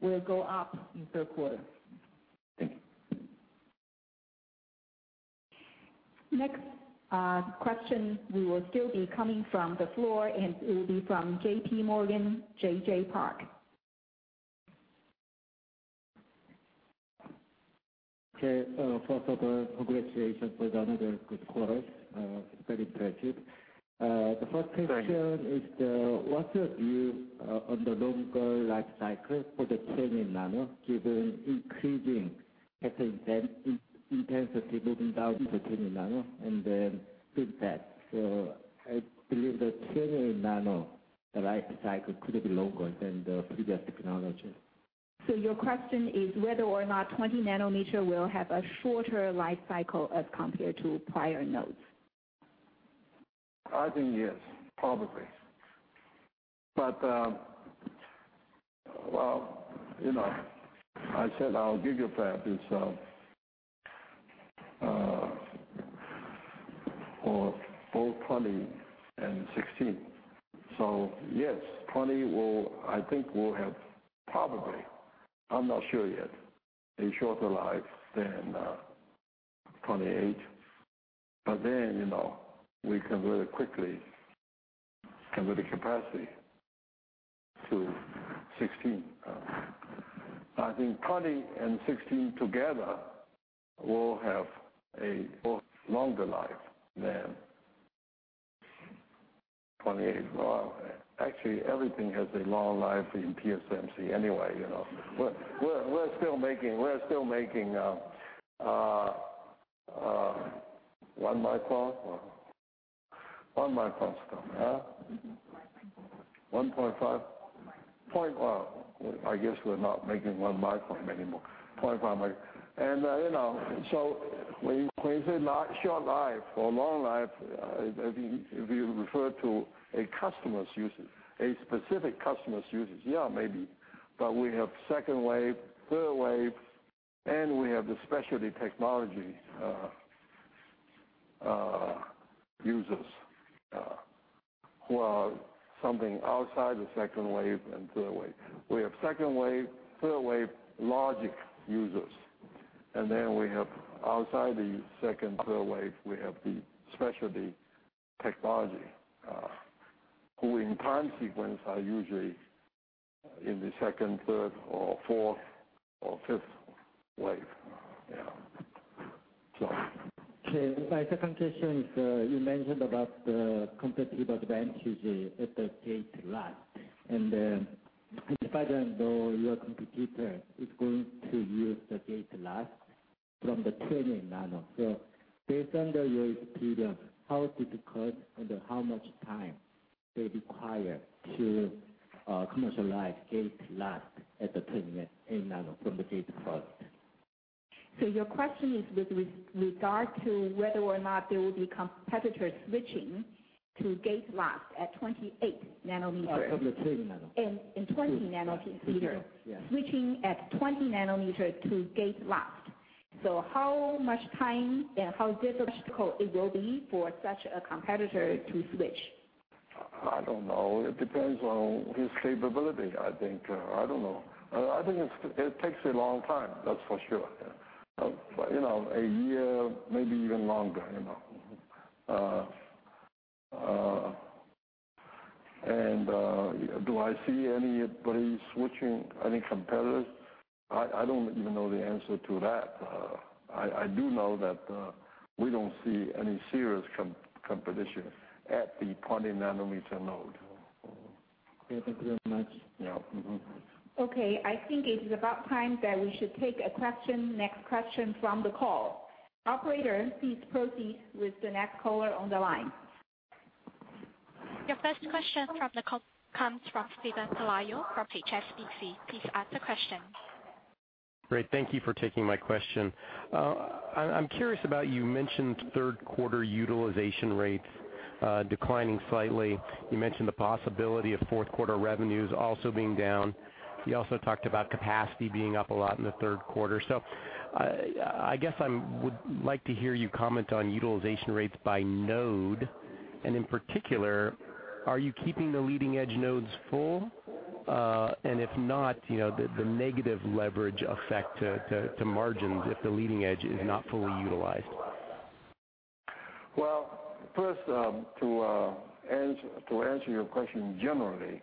will go up in third quarter. Thank you. Next question will still be coming from the floor, and it will be from J.P. Morgan, JJ Park. Okay. First of all, congratulations for another good quarter. It's very impressive. Thank you. The first question is, what's your view on the longer life cycle for the 20 nano, given increasing pattern intensity moving down to 20 nano, and then FinFET? I believe the 20 nano life cycle could be longer than the previous technology. Your question is whether or not 20-nanometer will have a shorter life cycle as compared to prior nodes. I think yes, probably. I said I'll give you that. It's for both 20 and 16. Yes, 20 I think will have probably, I'm not sure yet, a shorter life than 28. Then, we convert it quickly, convert the capacity to 16. I think 20 and 16 together will have a longer life than 28. Actually everything has a long life in TSMC anyway. We're still making 1 micron? 1 micron still, yeah? 1.5. 1.5? I guess we're not making 1 micron anymore, 0.5 micron. When you say short life or long life, if you refer to a specific customer's usage, yeah, maybe. We have second wave, third wave, and we have the specialty technology users who are something outside the second wave and third wave. We have second wave, third wave logic users, then outside the second, third wave, we have the specialty technology, who in time sequence are usually in the second, third or fourth or fifth wave. Yeah. Okay. My second question is, you mentioned about the competitive advantages at the gate-last. As far as I know, your competitor is going to use the gate-last from the 20-nanometer. Based on your experience, how difficult and how much time they require to commercialize gate-last at the 20-nanometer from the gate-first? Your question is with regard to whether or not there will be competitors switching to gate-last at 28-nanometer? At 20-nanometer. In 20 nanometer- Yes switching at 20 nanometer to gate-last. How much time and how difficult it will be for such a competitor to switch? I don't know. It depends on his capability, I think. I don't know. I think it takes a long time, that's for sure. A year, maybe even longer. Do I see anybody switching, any competitors? I don't even know the answer to that. I do know that we don't see any serious competition at the 20 nanometer node. Okay. Thank you very much. Yeah. Mm-hmm. Okay, I think it is about time that we should take a next question from the call. Operator, please proceed with the next caller on the line. Your first question from the call comes from Steven Pelayo from HSBC. Please ask the question. Great. Thank you for taking my question. I'm curious about, you mentioned third quarter utilization rates declining slightly. You mentioned the possibility of fourth quarter revenues also being down. You also talked about capacity being up a lot in the third quarter. I guess I would like to hear you comment on utilization rates by node, and in particular, are you keeping the leading-edge nodes full? If not, the negative leverage effect to margins if the leading edge is not fully utilized. Well, first, to answer your question generally,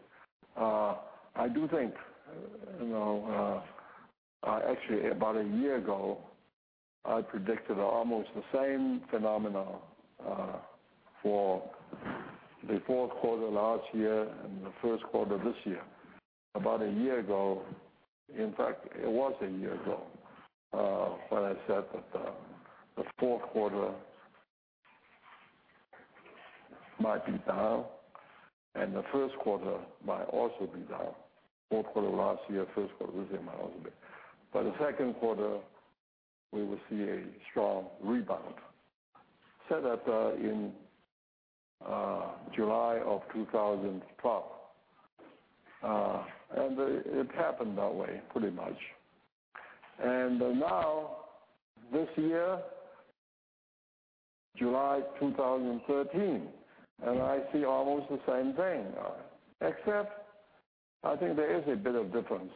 actually about a year ago, I predicted almost the same phenomenon for the fourth quarter last year and the first quarter this year. About a year ago, in fact, it was a year ago, when I said that the fourth quarter might be down and the first quarter might also be down. Fourth quarter last year, first quarter this year might also be. By the second quarter, we will see a strong rebound. Said that in July of 2012. Now this year, July 2013, and I see almost the same thing, except I think there is a bit of difference.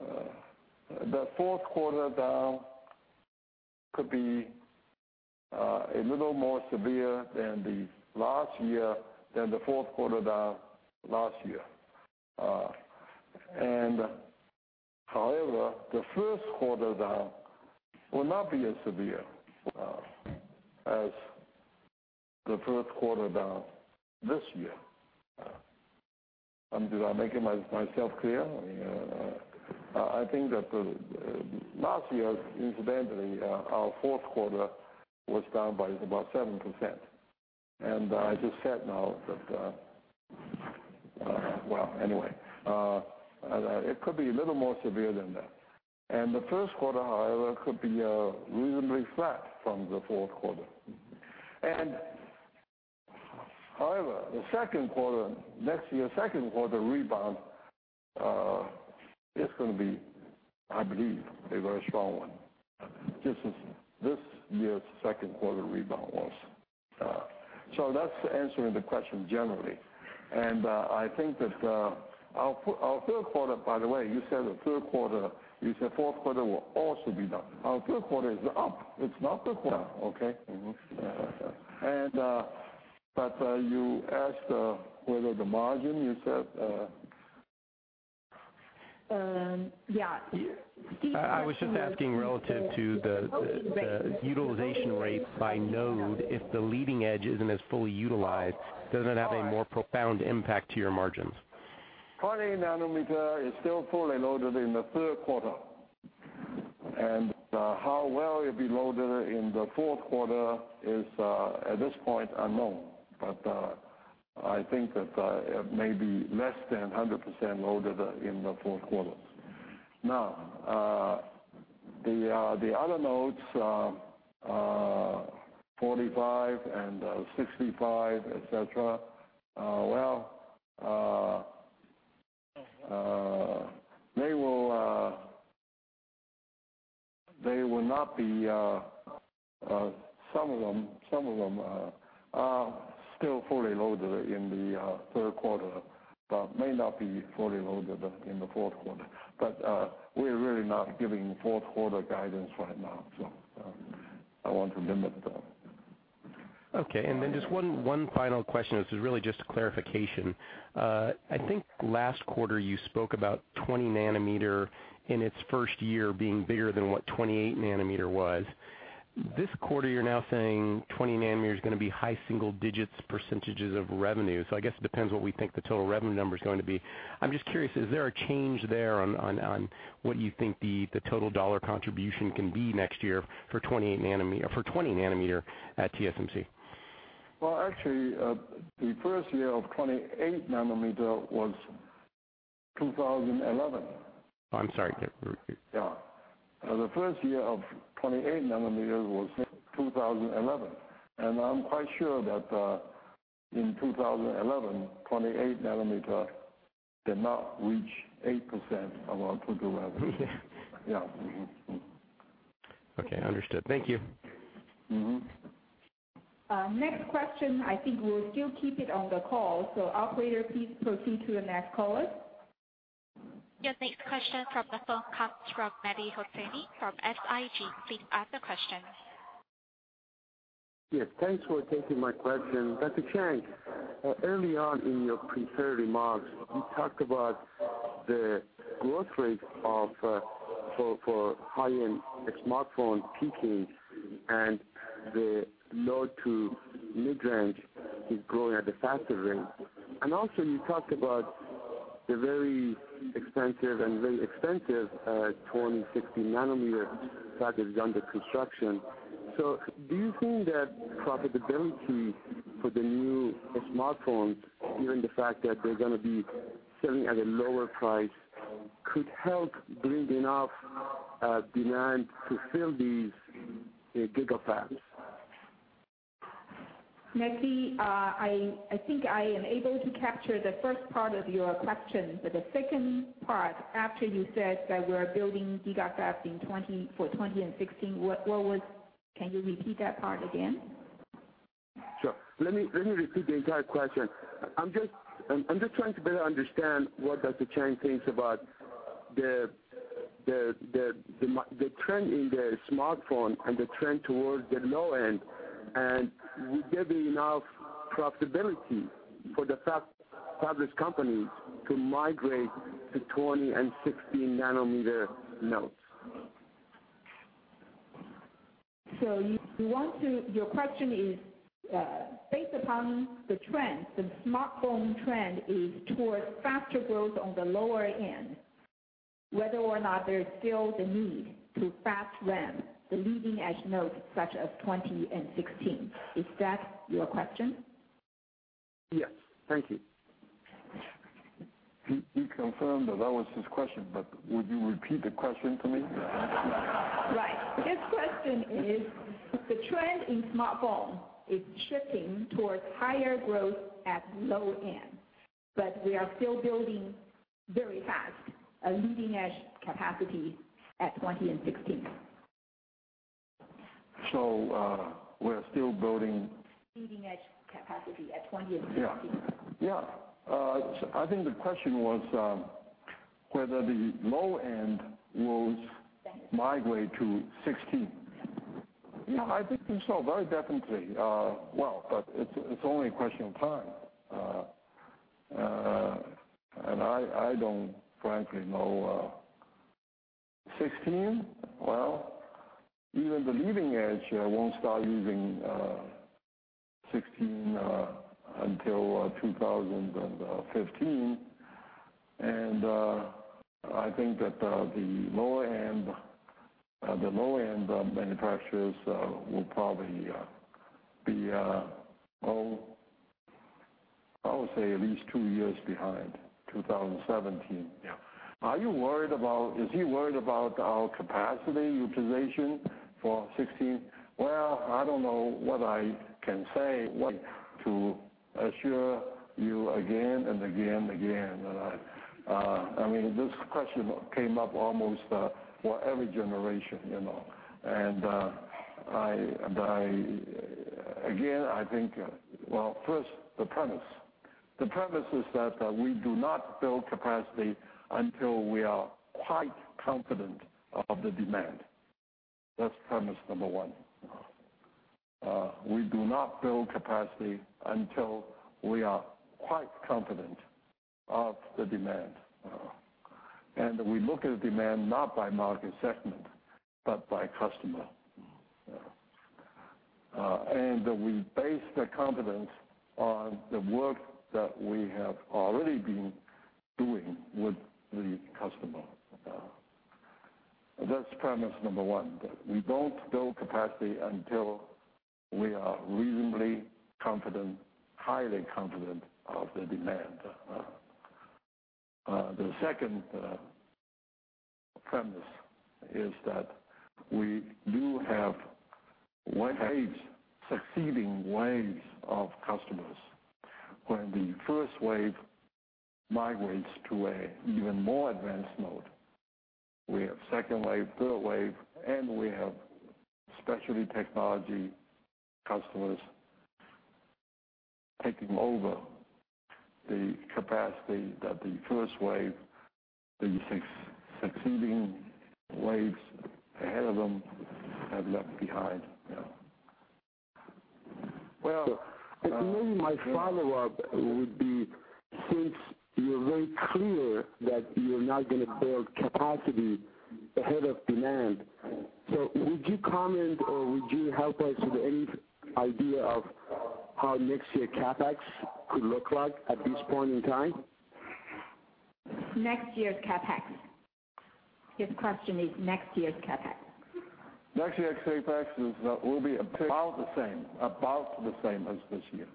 The fourth quarter down could be a little more severe than the fourth quarter down last year. However, the first quarter down will not be as severe as the first quarter down this year. Am I making myself clear? I think that last year, incidentally, our fourth quarter was down by about 7%, I just said now that Well, anyway it could be a little more severe than that. The first quarter, however, could be reasonably flat from the fourth quarter. However, next year, second quarter rebound, is going to be, I believe, a very strong one, just as this year's second quarter rebound was. That's answering the question generally, I think that our third quarter, by the way, you said fourth quarter will also be down. Our third quarter is up. It's not the quarter, okay? You asked whether the margin, you said Yeah. I was just asking relative to the Okay utilization rate by node, if the leading edge isn't as fully utilized, doesn't it have a more profound impact to your margins? 20-nanometer is still fully loaded in the third quarter. How well it'll be loaded in the fourth quarter is, at this point, unknown. I think that it may be less than 100% loaded in the fourth quarter. The other nodes, 45 and 65, et cetera, well, some of them are still fully loaded in the third quarter, but may not be fully loaded in the fourth quarter. We're really not giving fourth quarter guidance right now, so I want to limit that. Okay, just one final question. This is really just a clarification. I think last quarter you spoke about 20-nanometer in its first year being bigger than what 28-nanometer was. This quarter, you're now saying 20-nanometer is going to be high single-digit % of revenue. I guess it depends what we think the total revenue number is going to be. I'm just curious, is there a change there on what you think the total TWD contribution can be next year for 20-nanometer at TSMC? Well, actually, the first year of 28-nanometer was 2011. Oh, I'm sorry. Yep, repeat. The first year of 28-nanometer was 2011, and I'm quite sure that, in 2011, 28-nanometer did not reach 8% of our total revenue. Okay, understood. Thank you. Next question, I think we'll still keep it on the call. Operator, please proceed to the next caller. Your next question from the phone comes from Mehdi Hosseini from SIG. Please ask the question. Yes, thanks for taking my question. Dr. Chang, early on in your prepared remarks, you talked about the growth rate for high-end smartphone peaking and the low to mid-range is growing at a faster rate. Also, you talked about the very expansive and very expensive 20/16 nanometer factories under construction. Do you think that profitability for the new smartphones, given the fact that they're going to be selling at a lower price, could help build enough demand to fill these GigaFabs? Mehdi, I think I am able to capture the first part of your question, but the second part after you said that we're building GigaFabs for 20 and 16, can you repeat that part again? Sure. Let me repeat the entire question. I'm just trying to better understand what Dr. Chang thinks about the trend in the smartphone and the trend towards the low end. Will there be enough profitability for the fabless companies to migrate to 20 and 16 nanometer nodes? Your question is, based upon the trend, the smartphone trend is towards faster growth on the lower end, whether or not there's still the need to fab ramp the leading-edge nodes such as 20 and 16. Is that your question? Yes. Thank you. He confirmed that that was his question, would you repeat the question for me? Right. His question is, the trend in smartphone is shifting towards higher growth at low end, we are still building very fast, a leading-edge capacity at 20 and 16. We're still building- Leading-edge capacity at 20 and 16. I think the question was whether the low end will migrate to 16. I think so, very definitely. It's only a question of time. I don't frankly know. 16, even the leading edge won't start using 16 until 2015. I think that the low-end manufacturers will probably be, I would say, at least two years behind, 2017. Is he worried about our capacity utilization for 16? I don't know what I can say to assure you again and again and again. This question came up almost for every generation. Again, I think, first, the premise. The premise is that we do not build capacity until we are quite confident of the demand. That's premise number one. We do not build capacity until we are quite confident of the demand. We look at demand not by market segment, but by customer. We base the confidence on the work that we have already been doing with the customer. That's premise number one, that we don't build capacity until we are reasonably confident, highly confident of the demand. The second premise is that we do have waves, succeeding waves of customers. When the first wave migrates to an even more advanced node, we have second wave, third wave, and we have specialty technology customers taking over the capacity that the first wave, the succeeding waves ahead of them have left behind. Maybe my follow-up would be, since you're very clear that you're not going to build capacity ahead of demand, would you comment or would you help us with any idea of how next year's CapEx could look like at this point in time? Next year's CapEx. His question is next year's CapEx. Next year's CapEx will be about the same as this year.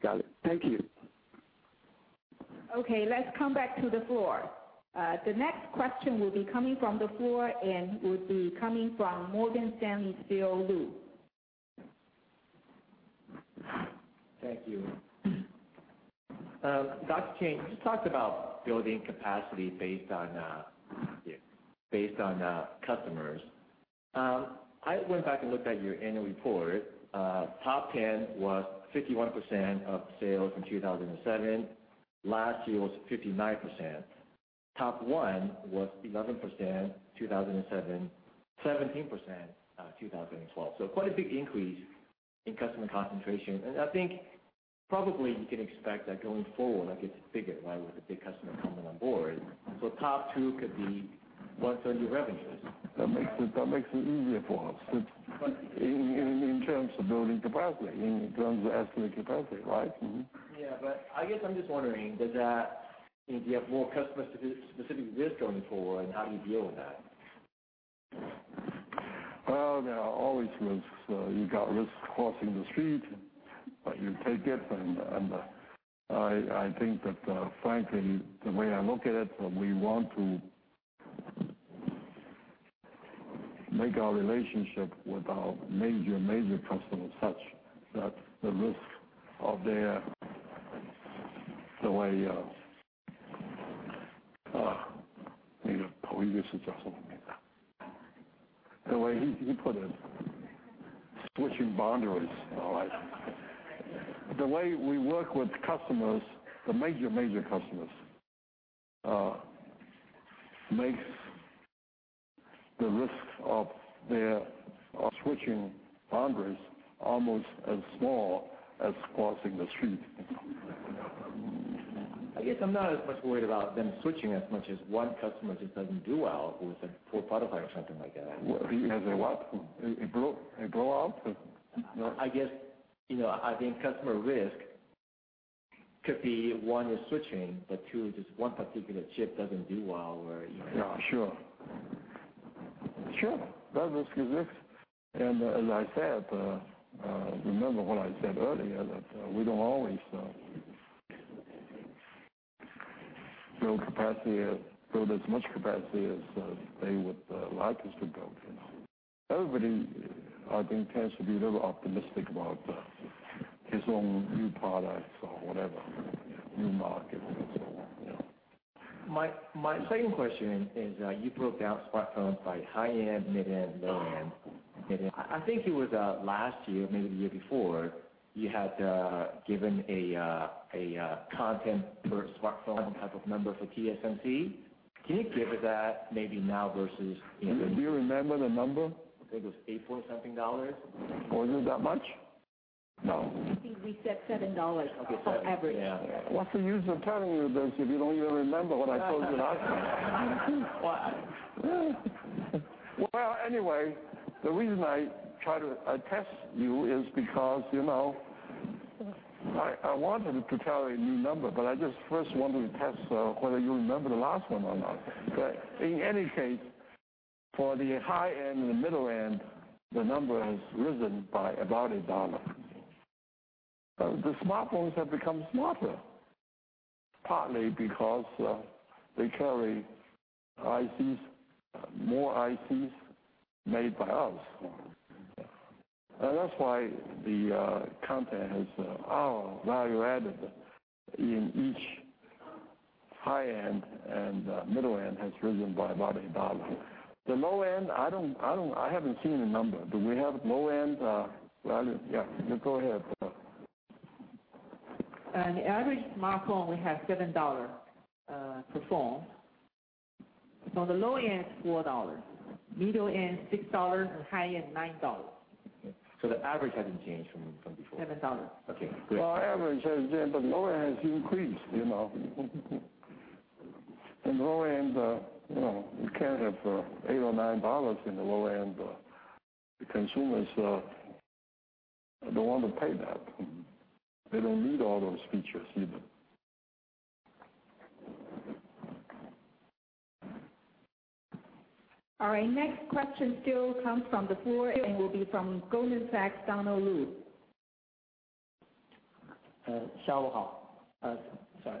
Got it. Thank you. Okay. Let's come back to the floor. The next question will be coming from the floor and will be coming from Morgan Stanley's Bill Lu. Thank you. Dr. Chang, you talked about building capacity based on customers. I went back and looked at your annual report. Top 10 was 51% of sales in 2007. Last year was 59%. Top 1 was 11% 2007, 17% 2012. Quite a big increase in customer concentration. I think probably you can expect that going forward, that gets bigger, right? With the big customer coming on board. Top 2 could be more than your revenues. That makes it easier for us. Right. In terms of building capacity, in terms of estimating capacity, right? Yeah. I guess I'm just wondering, if you have more customer-specific risk going forward, and how do you deal with that? Well, there are always risks. You got risk crossing the street, but you take it, and I think that, frankly, the way I look at it, we want to make our relationship with our major customers such that the risk of their, Maybe Paul Yee said that. The way he put it, switching foundries. The way we work with customers, the major customers, makes the risks of their switching foundries almost as small as crossing the street. I guess I'm not as much worried about them switching as much as one customer just doesn't do well with a poor product line or something like that. As they what? They blow out? I guess, I think customer risk could be one is switching, but two is just one particular chip doesn't do well. Sure. Sure. That risk exists. As I said, remember what I said earlier, that we don't always build as much capacity as they would like us to build. Everybody, I think, tends to be a little optimistic about his own new products or whatever, new market and so on. My second question is, you broke down smartphones by high-end, mid-end, low-end. I think it was last year, maybe the year before, you had given a content per smartphone type of number for TSMC. Can you give that maybe now versus then? Do you remember the number? I think it was TWD eight-point something. Was it that much? No. I think we said NT$ 7 for average. Okay. Seven. Yeah. What's the use of telling you this if you don't even remember what I told you last time? Well, I. Well, anyway, the reason I test you is because I wanted to tell a new number, but I just first wanted to test whether you remember the last one or not. In any case, for the high end and the middle end, the number has risen by about NT dollars 1. The smartphones have become smarter, partly because they carry more ICs made by us. That's why the content has, our value added in each high end and middle end has risen by about NT dollars 1. The low end, I haven't seen the number. Do we have low-end value? Yeah, you go ahead, Cathy. On the average smartphone, we have NT dollars 7 per phone. From the low end, it's NT dollars 4, middle end, NT dollars 6, and high end, NT dollars 9. The average hasn't changed from before. $7. Okay, great. Well, average has, lower has increased. In the low end, you can't have 8 or 9 dollars in the low end. The consumers don't want to pay that. They don't need all those features either. All right. Next question still comes from the floor and will be from Goldman Sachs, Donald Lu. Sorry.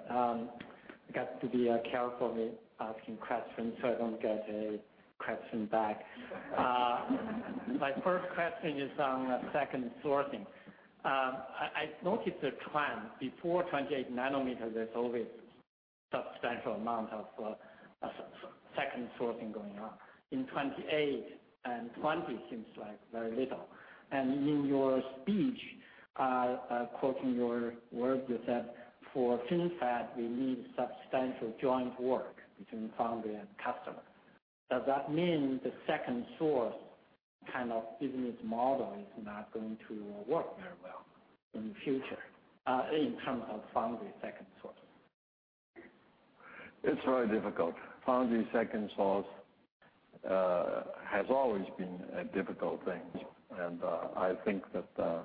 I got to be careful when asking questions, I don't get a question back. My first question is on second sourcing. I noticed a trend. Before 28 nanometers, there's always substantial amount of second sourcing going on. In 28 and 20, seems like very little. In your speech, quoting your words, you said, "For FinFET, we need substantial joint work between foundry and customer." Does that mean the second source kind of business model is not going to work very well in the future, in terms of foundry second sourcing? It's very difficult. Foundry second source has always been a difficult thing. I think that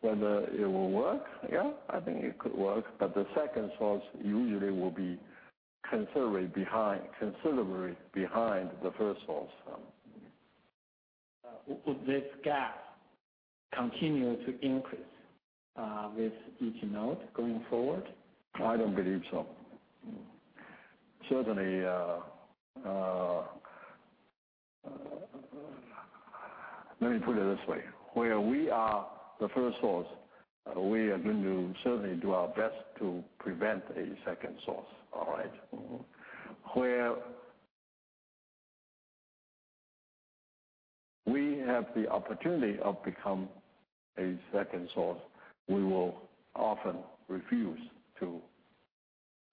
whether it will work, yeah, I think it could work, but the second source usually will be considerably behind the first source. Would this gap continue to increase with each node going forward? I don't believe so. Certainly Let me put it this way. Where we are the first source, we are going to certainly do our best to prevent a second source. All right? Where we have the opportunity of become a second source, we will often refuse to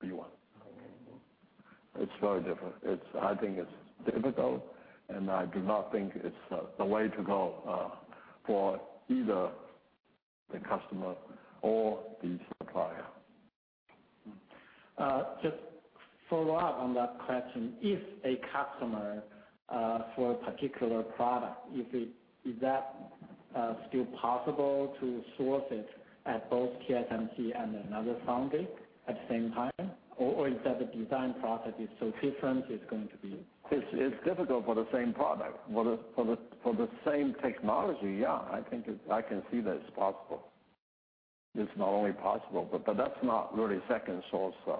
be one. Okay. It's very different. I think it's difficult, and I do not think it's the way to go for either the customer or the supplier. Just follow up on that question. If a customer for a particular product, is that still possible to source it at both TSMC and another foundry at the same time? It's difficult for the same product. For the same technology, yeah, I can see that it's possible. It's not only possible, but that's not really second source- Sure.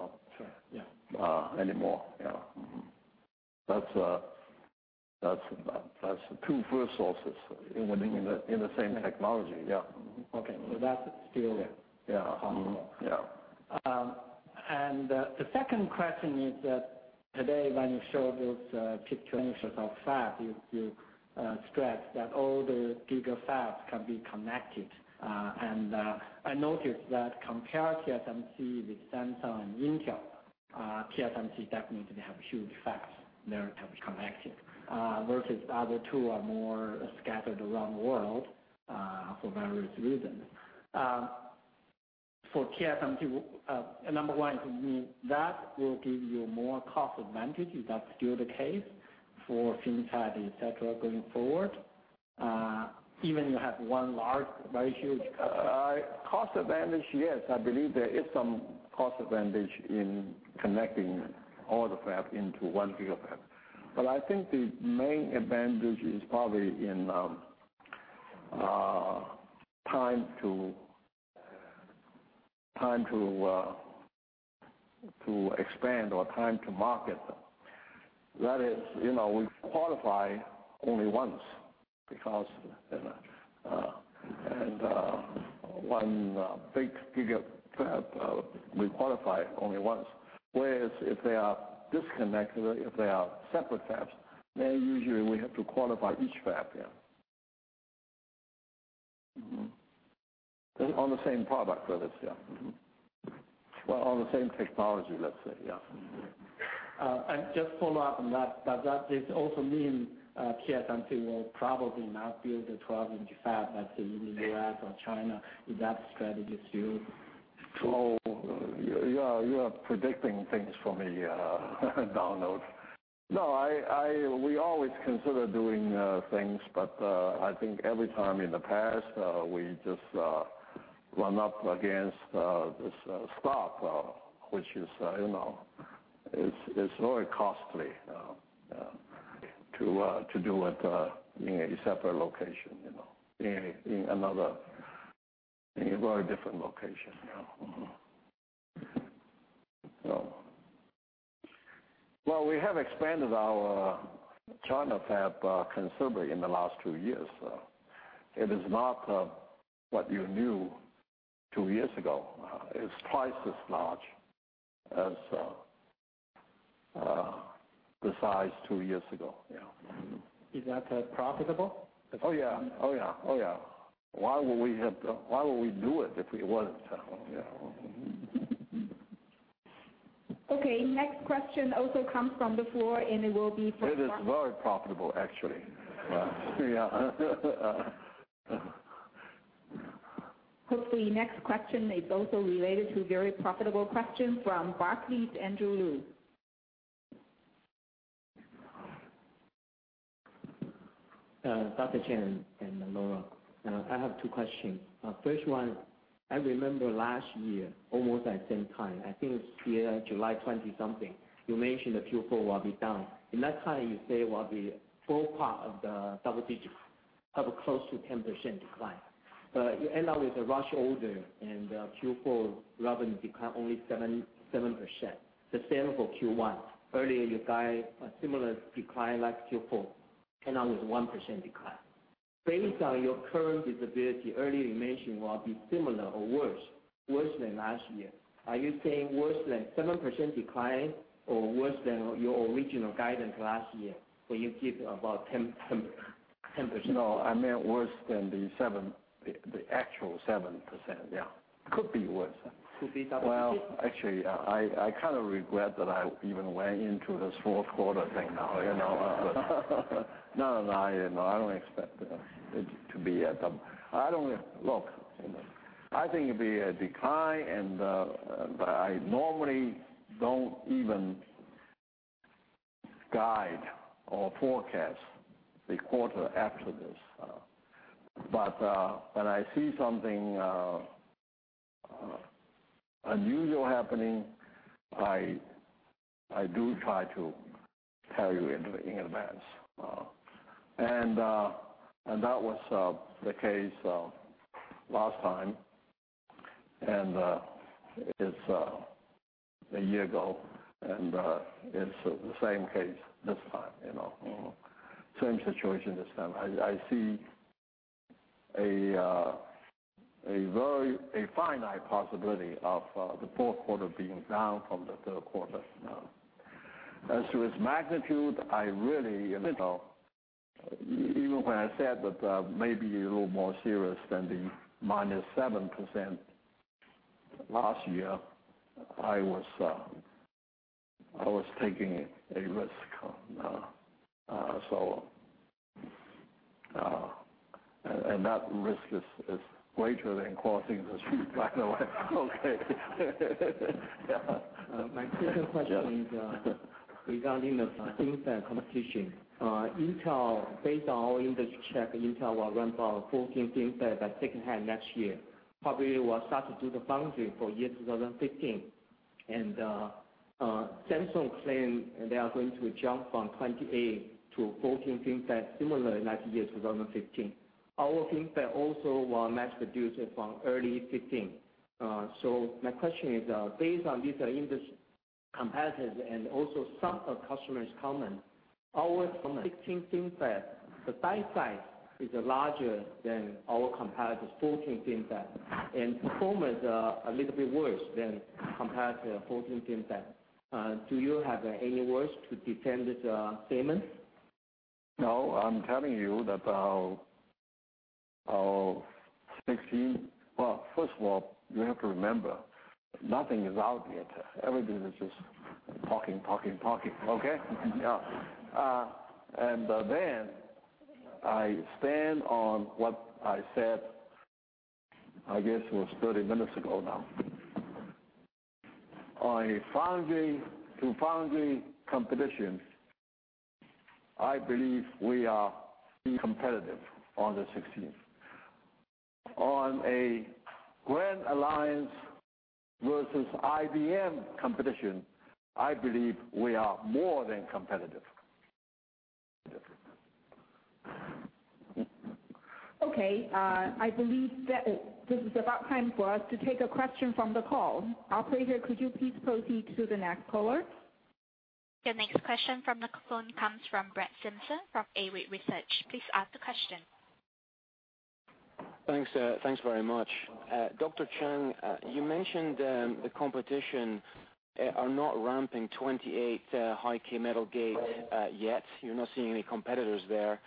Yeah anymore. Yeah. That's two first sources in the same technology, yeah. Okay. That's still possible. Yeah. The second question is that today, when you showed those pictures of fab, you stressed that all the GigaFabs can be connected. I noticed that compared TSMC with Samsung and Intel, TSMC definitely have huge fabs that are connected versus the other two are more scattered around the world, for various reasons. For TSMC, number one, that will give you more cost advantage. Is that still the case for FinFET, etc., going forward, even you have one large? Cost advantage, yes. I believe there is some cost advantage in connecting all the fab into one GigaFab. I think the main advantage is probably in time to expand or time to market. That is, we qualify only once, because in one big GigaFab, we qualify only once. Whereas if they are disconnected, if they are separate fabs, then usually we have to qualify each fab. Yeah. On the same product, that is. Yeah. Well, on the same technology, let's say. Yeah. Just follow up on that. Does that also mean TSMC will probably not build a 12-inch fab, let's say, in the U.S. or China? Is that strategy still true? You are predicting things for me Donald. No, we always consider doing things, but I think every time in the past we just run up against this stock, which it's very costly to do it in a separate location, in another very different location. Well, we have expanded our China fab considerably in the last two years. It is not what you knew two years ago. It's twice as large as the size two years ago, yeah. Is that profitable? Oh, yeah. Why would we do it if it wasn't? Okay. Next question also comes from the floor, and it will be from- It is very profitable, actually. Yeah. Hopefully, next question is also related to very profitable question from Barclays, Andrew Lu. Dr. Chang and Lora, I have two questions. First one, I remember last year, almost at same time, I think it's year July 20-something, you mentioned that Q4 will be down. You say will be low part of the double digits, have a close to 10% decline. You end up with a rush order, and Q4 revenue decline only 7%. The same for Q1. Earlier, you guide a similar decline like Q4, end up with 1% decline. Based on your current visibility, earlier you mentioned will be similar or worse than last year. Are you saying worse than 7% decline or worse than your original guidance last year, when you give about 10%? I meant worse than the actual 7%, yeah. Could be worse. Could be double digit? Well, actually, I kind of regret that I even went into this fourth quarter thing now. I don't expect it to be at the. I think it'll be a decline, but I normally don't even guide or forecast the quarter after this. When I see something unusual happening, I do try to tell you in advance. That was the case last time, and it's a year ago, and it's the same case this time. Same situation this time. I see a finite possibility of the fourth quarter being down from the third quarter. As to its magnitude, I really don't. Even when I said that maybe a little more serious than the minus 7% last year, I was taking a risk. That risk is greater than crossing the street, by the way. Okay. My second question is regarding the FinFET competition. Based on our industry check, Intel will ramp up 14nm FinFET by second half next year. Probably will start to do the foundry for 2015. Samsung claim they are going to jump from 28 to 14nm FinFET similar next year, 2015. Our FinFET also will mass produce from early 2015. My question is, based on these industry competitors and also some of customers' comments, our 16 FinFET, the die size is larger than our competitor's 14nm FinFET, and performance a little bit worse than competitor 14nm FinFET. Do you have any words to defend this statement? No, I'm telling you that our 16. Well, first of all, you have to remember, nothing is out yet. Everything is just talking, talking, okay? Yeah. I stand on what I said, I guess it was 30 minutes ago now. On foundry competition, I believe we are being competitive on the 16. On a Grand Alliance versus IBM competition, I believe we are more than competitive. Okay. I believe that this is about time for us to take a question from the call. Operator, could you please proceed to the next caller? The next question from the phone comes from Brett Simpson from Arete Research. Please ask the question. Thanks very much. Dr. Chen, you mentioned the competition are not ramping 28 High-K Metal Gate yet. You're not seeing any competitors there.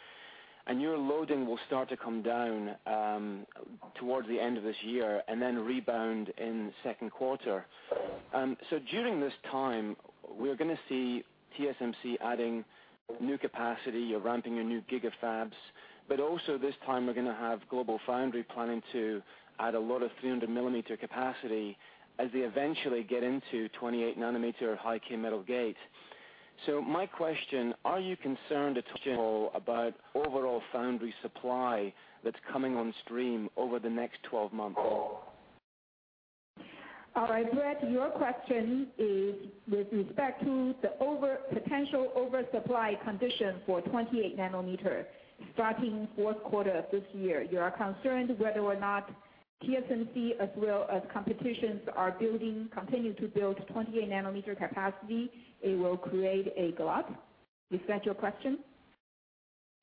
Your loading will start to come down towards the end of this year and then rebound in second quarter. During this time, we're going to see TSMC adding new capacity. You're ramping your new GigaFabs. Also, this time, we're going to have GlobalFoundries planning to add a lot of 300-millimeter capacity as they eventually get into 28 nanometer High-K Metal Gate. My question: Are you concerned at all about overall foundry supply that's coming on stream over the next 12 months? Brett, your question is with respect to the potential oversupply condition for 28 nanometer starting fourth quarter of this year. You are concerned whether or not TSMC as well as competitions are building, continue to build 28 nanometer capacity, it will create a glut. Is that your question?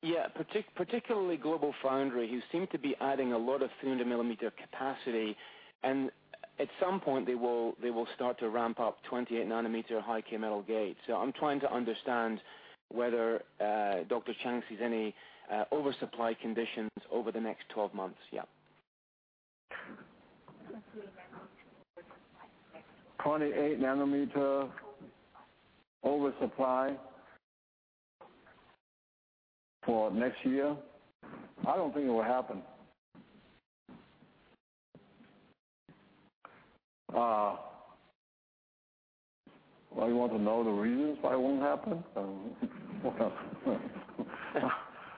Yeah, particularly GlobalFoundries, who seem to be adding a lot of 300-millimeter capacity, at some point, they will start to ramp up 28 nanometer High-K Metal Gate. I'm trying to understand whether Dr. Chiang sees any oversupply conditions over the next 12 months. Yeah. 28 nanometer oversupply for next year? I don't think it will happen. You want to know the reasons why it won't happen?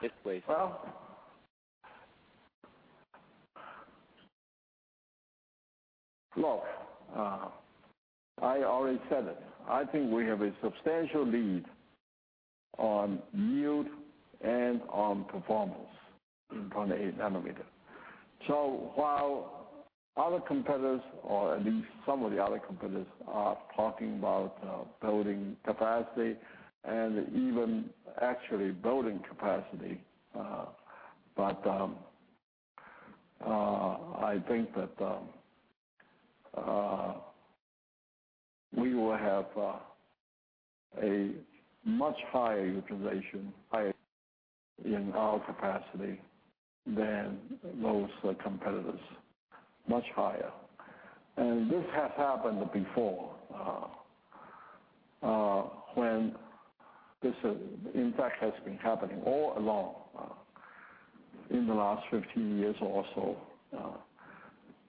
Yes, please. Look, I already said it. I think we have a substantial lead on yield and on performance in 28-nanometer. While other competitors, or at least some of the other competitors, are talking about building capacity and even actually building capacity, I think that we will have a much higher utilization in our capacity than most competitors. Much higher. This has happened before. In fact, has been happening all along in the last 15 years or so.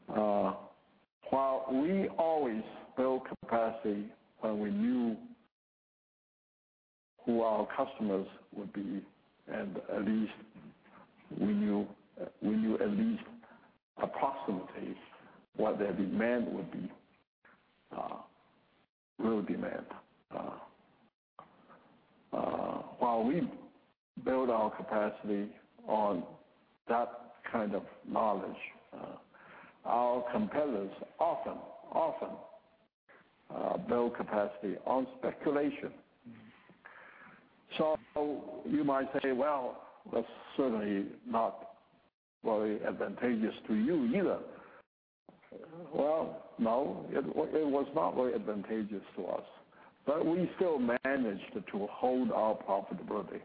While we always build capacity when we knew who our customers would be, and we knew at least approximately what their demand would be, real demand. While we build our capacity on that kind of knowledge, our competitors often build capacity on speculation. You might say, "Well, that's certainly not very advantageous to you either." No, it was not very advantageous to us, we still managed to hold our profitability.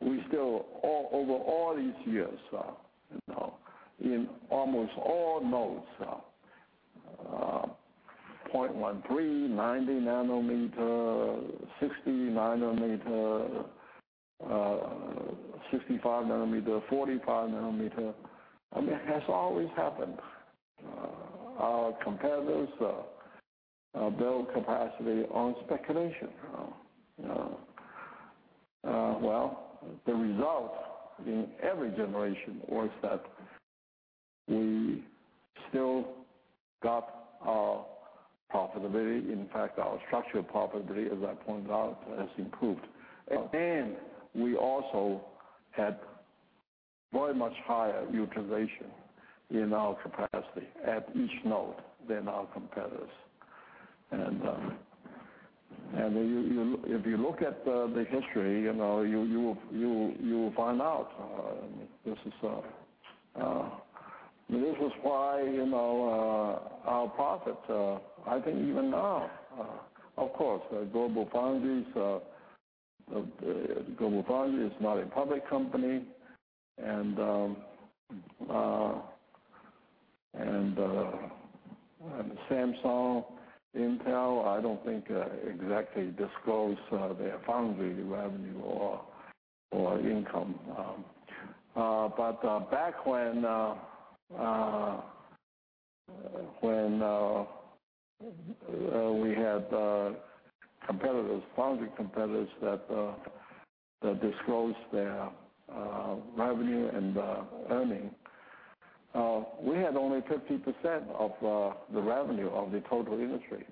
We still, over all these years, in almost all nodes, 0.13-micron, 90 nanometer, 60 nanometer, 65 nanometer, 45 nanometer, it has always happened. Our competitors build capacity on speculation. The result in every generation was that we still got our profitability. In fact, our structural profitability, as I pointed out, has improved. We also had very much higher utilization in our capacity at each node than our competitors. If you look at the history, you will find out. This is why our profits, I think even now, of course, GlobalFoundries is not a public company, and Samsung, Intel, I don't think exactly disclose their foundry revenue or income. Back when we had foundry competitors that disclosed their revenue and earning, we had only 50% of the revenue of the total industry,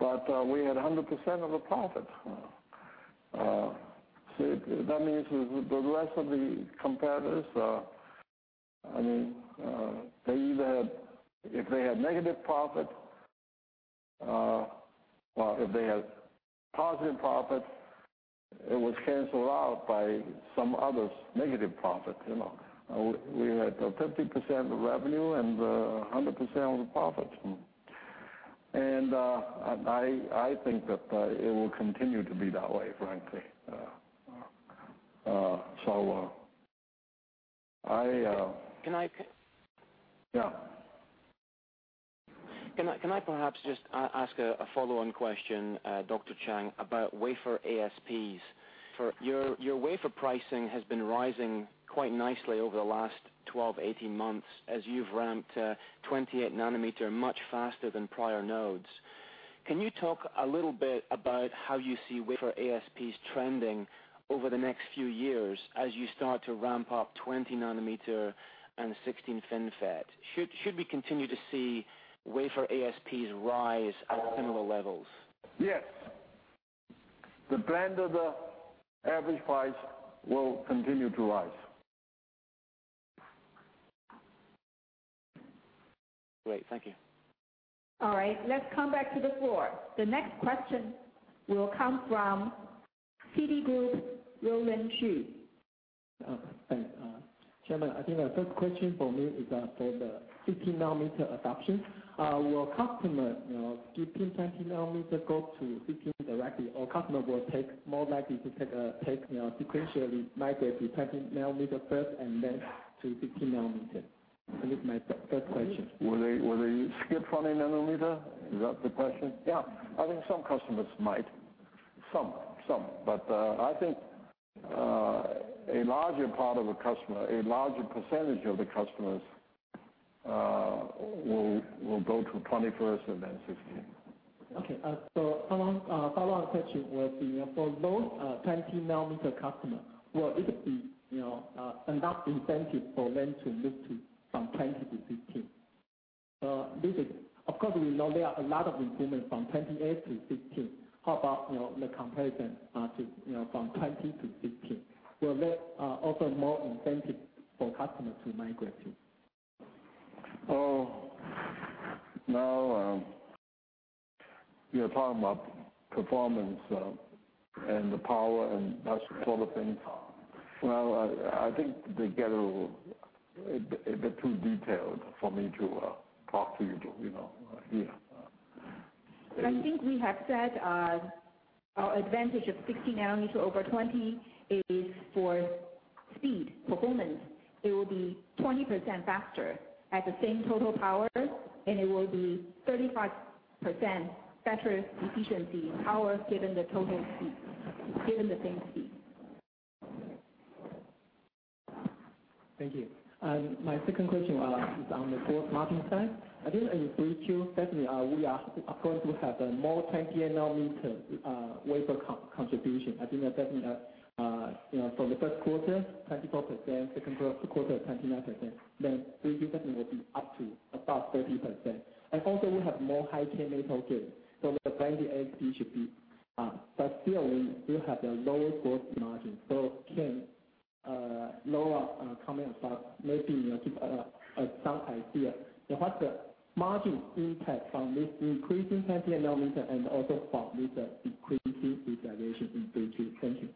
we had 100% of the profit. See, that means the rest of the competitors, if they had negative profit, or if they had positive profit, it was canceled out by some other's negative profit. We had 50% of the revenue and 100% of the profit. I think that it will continue to be that way, frankly. Can I- Yeah. Can I perhaps just ask a follow-on question, Dr. Chiang, about wafer ASPs? Your wafer pricing has been rising quite nicely over the last 12, 18 months as you've ramped 28-nanometer much faster than prior nodes. Can you talk a little bit about how you see wafer ASPs trending over the next few years as you start to ramp up 20-nanometer and 16 FinFET? Should we continue to see wafer ASPs rise at similar levels? Yes. The blend of the average price will continue to rise. Great. Thank you. All right. Let's come back to the floor. The next question will come from Citigroup, Roland Shu. Thanks. Chairman, I think the first question for me is for the 16-nanometer adoption. Will customers skipping 20-nanometer go to 16 directly, or customer will more likely sequentially migrate to 20-nanometer first and then to 16-nanometer? This is my first question. Will they skip 20-nanometer? Is that the question? Yeah. I think some customers might. Some. I think a larger percentage of the customers will go to 20 first and then 16. Okay. Follow-up question will be, for those 20-nanometer customers, will it be enough incentive for them to move from 20 to 16? Of course, we know there are a lot of improvements from 28 to 16. How about the comparison from 20 to 16? Will there offer more incentive for customers to migrate to? You're talking about performance and the power and that sort of thing. I think they get a bit too detailed for me to talk to you here. I think we have said our advantage of 16-nanometer over 20 is for speed, performance. It will be 20% faster at the same total power, and it will be 35% better efficiency power given the same speed. Thank you. My second question is on the gross margin side. I think in 3Q, certainly we are going to have a more 28-nanometer wafer contribution. I think that certainly, for the first quarter, 24%, second quarter, 29%, then 3Q certainly will be up to about 30%. Also, we have more High-K Metal Gate. The 28 AP should be But still, we have a lower gross margin. Can Lora comment about maybe give some idea what the margin impact from this increasing 28-nanometer and also from this decreasing utilization in 3Q? Thank you.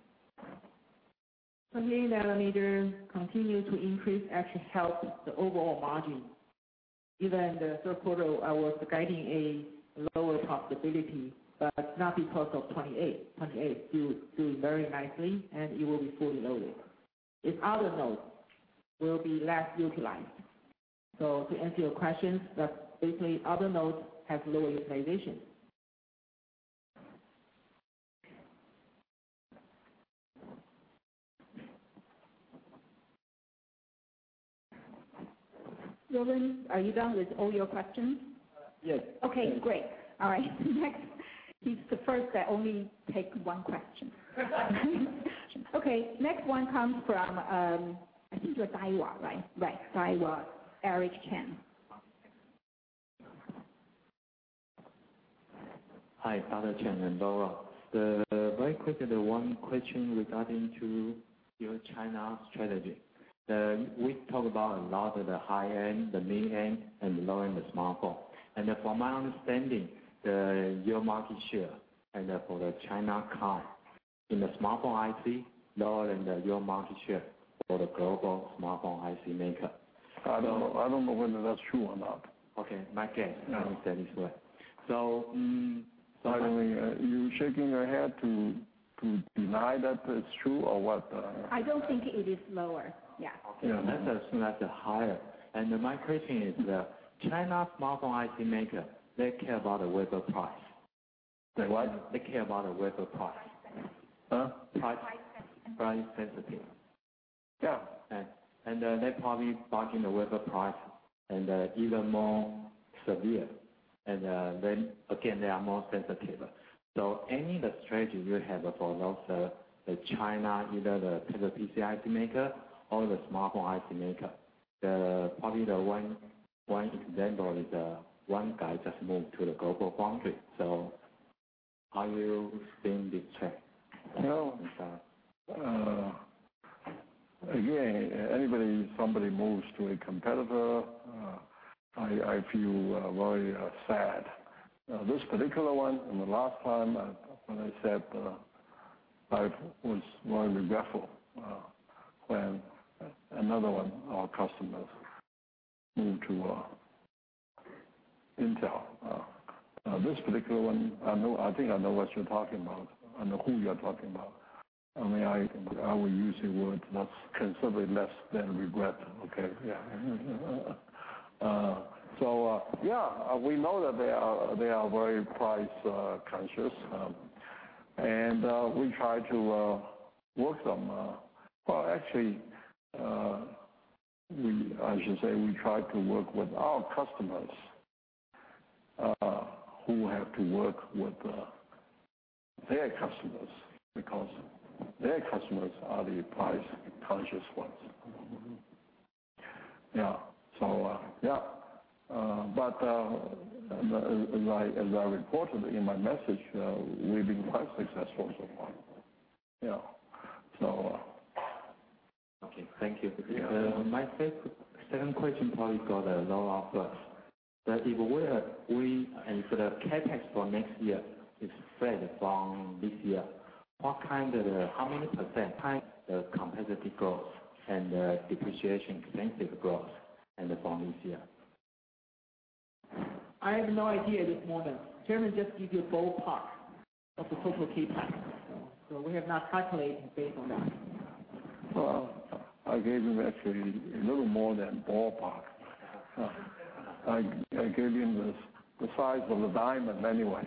28-nanometer continue to increase actually helps the overall margin. Given the third quarter, I was guiding a lower profitability, but not because of 28. 28 do very nicely, and it will be fully loaded. Its other nodes will be less utilized. To answer your question, basically, other nodes have lower utilization. Roland, are you done with all your questions? Yes. Great. All right. He's the first that only take one question. Next one comes from, I think you are Daiwa, right? Right. Daiwa, Eric Chen. Hi, Dr. Chen and Lora. Very quickly, one question regarding to your China strategy. We talk about a lot of the high-end, the mid-range, and the low-end smartphone. From my understanding, your market share, and for the China kind, in the smartphone IC, lower than your market share for the global smartphone IC maker. I don't know whether that's true or not. My guess, let me say this way. You're shaking your head to deny that it's true or what? I don't think it is lower. Yeah. Okay. Let's assume that's higher. My question is, China smartphone IC maker, they care about the wafer price. Say what? They care about the wafer price. Price sensitive. Huh? Price sensitive. Price sensitive. Yeah. They're probably bargaining the wafer price and even more severe. They are more sensitive. Any strategy you have for those, the China, either the PC IC maker or the smartphone IC maker, probably the one example is one guy just moved to GlobalFoundries. How you think this trend? Anybody, somebody moves to a competitor, I feel very sad. This particular one, and the last time when I said I was very regretful when another one of our customers moved to Intel. This particular one, I think I know what you're talking about and who you're talking about. I will use a word that's considerably less than regret, okay? Yeah. We know that they are very price-conscious, and we try to work. Well, actually, I should say we try to work with our customers who have to work with their customers because their customers are the price-conscious ones. Yeah. As I reported in my message, we've been quite successful so far. Yeah. Okay. Thank you. Yeah. My second question if the CapEx for next year is spread from this year, how many % CapEx growth and depreciation expense growth from this year? I have no idea at this moment. Chairman just give you a ballpark of the total CapEx. We have not calculated based on that. Well, I gave him actually a little more than ballpark. I gave him the size of the diamond anyway.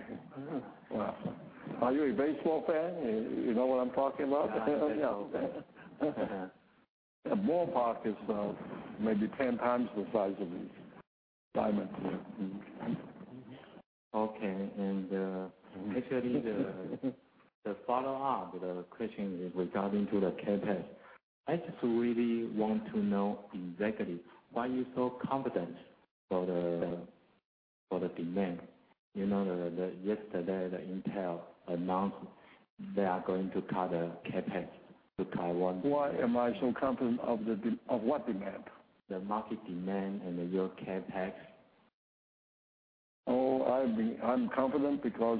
Well, are you a baseball fan? You know what I'm talking about? Yeah, I'm a baseball fan. A ballpark is maybe 10 times the size of a diamond. Okay. Actually, the follow-up question regarding to the CapEx. I just really want to know exactly why you're so confident for the demand. Yesterday, Intel announced they are going to cut their CapEx to Taiwan. Why am I so confident of what demand? The market demand and your CapEx. I'm confident because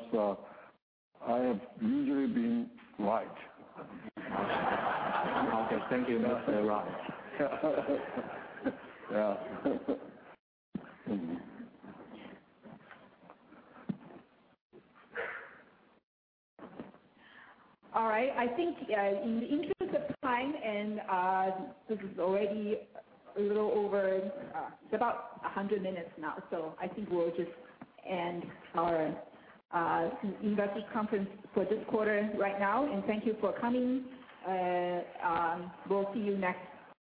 I have usually been right. Okay. Thank you, Mr. Chang. Yeah. All right. I think in the interest of time, and this is already a little over, it's about 100 minutes now, so I think we'll just end our investor conference for this quarter right now, and thank you for coming.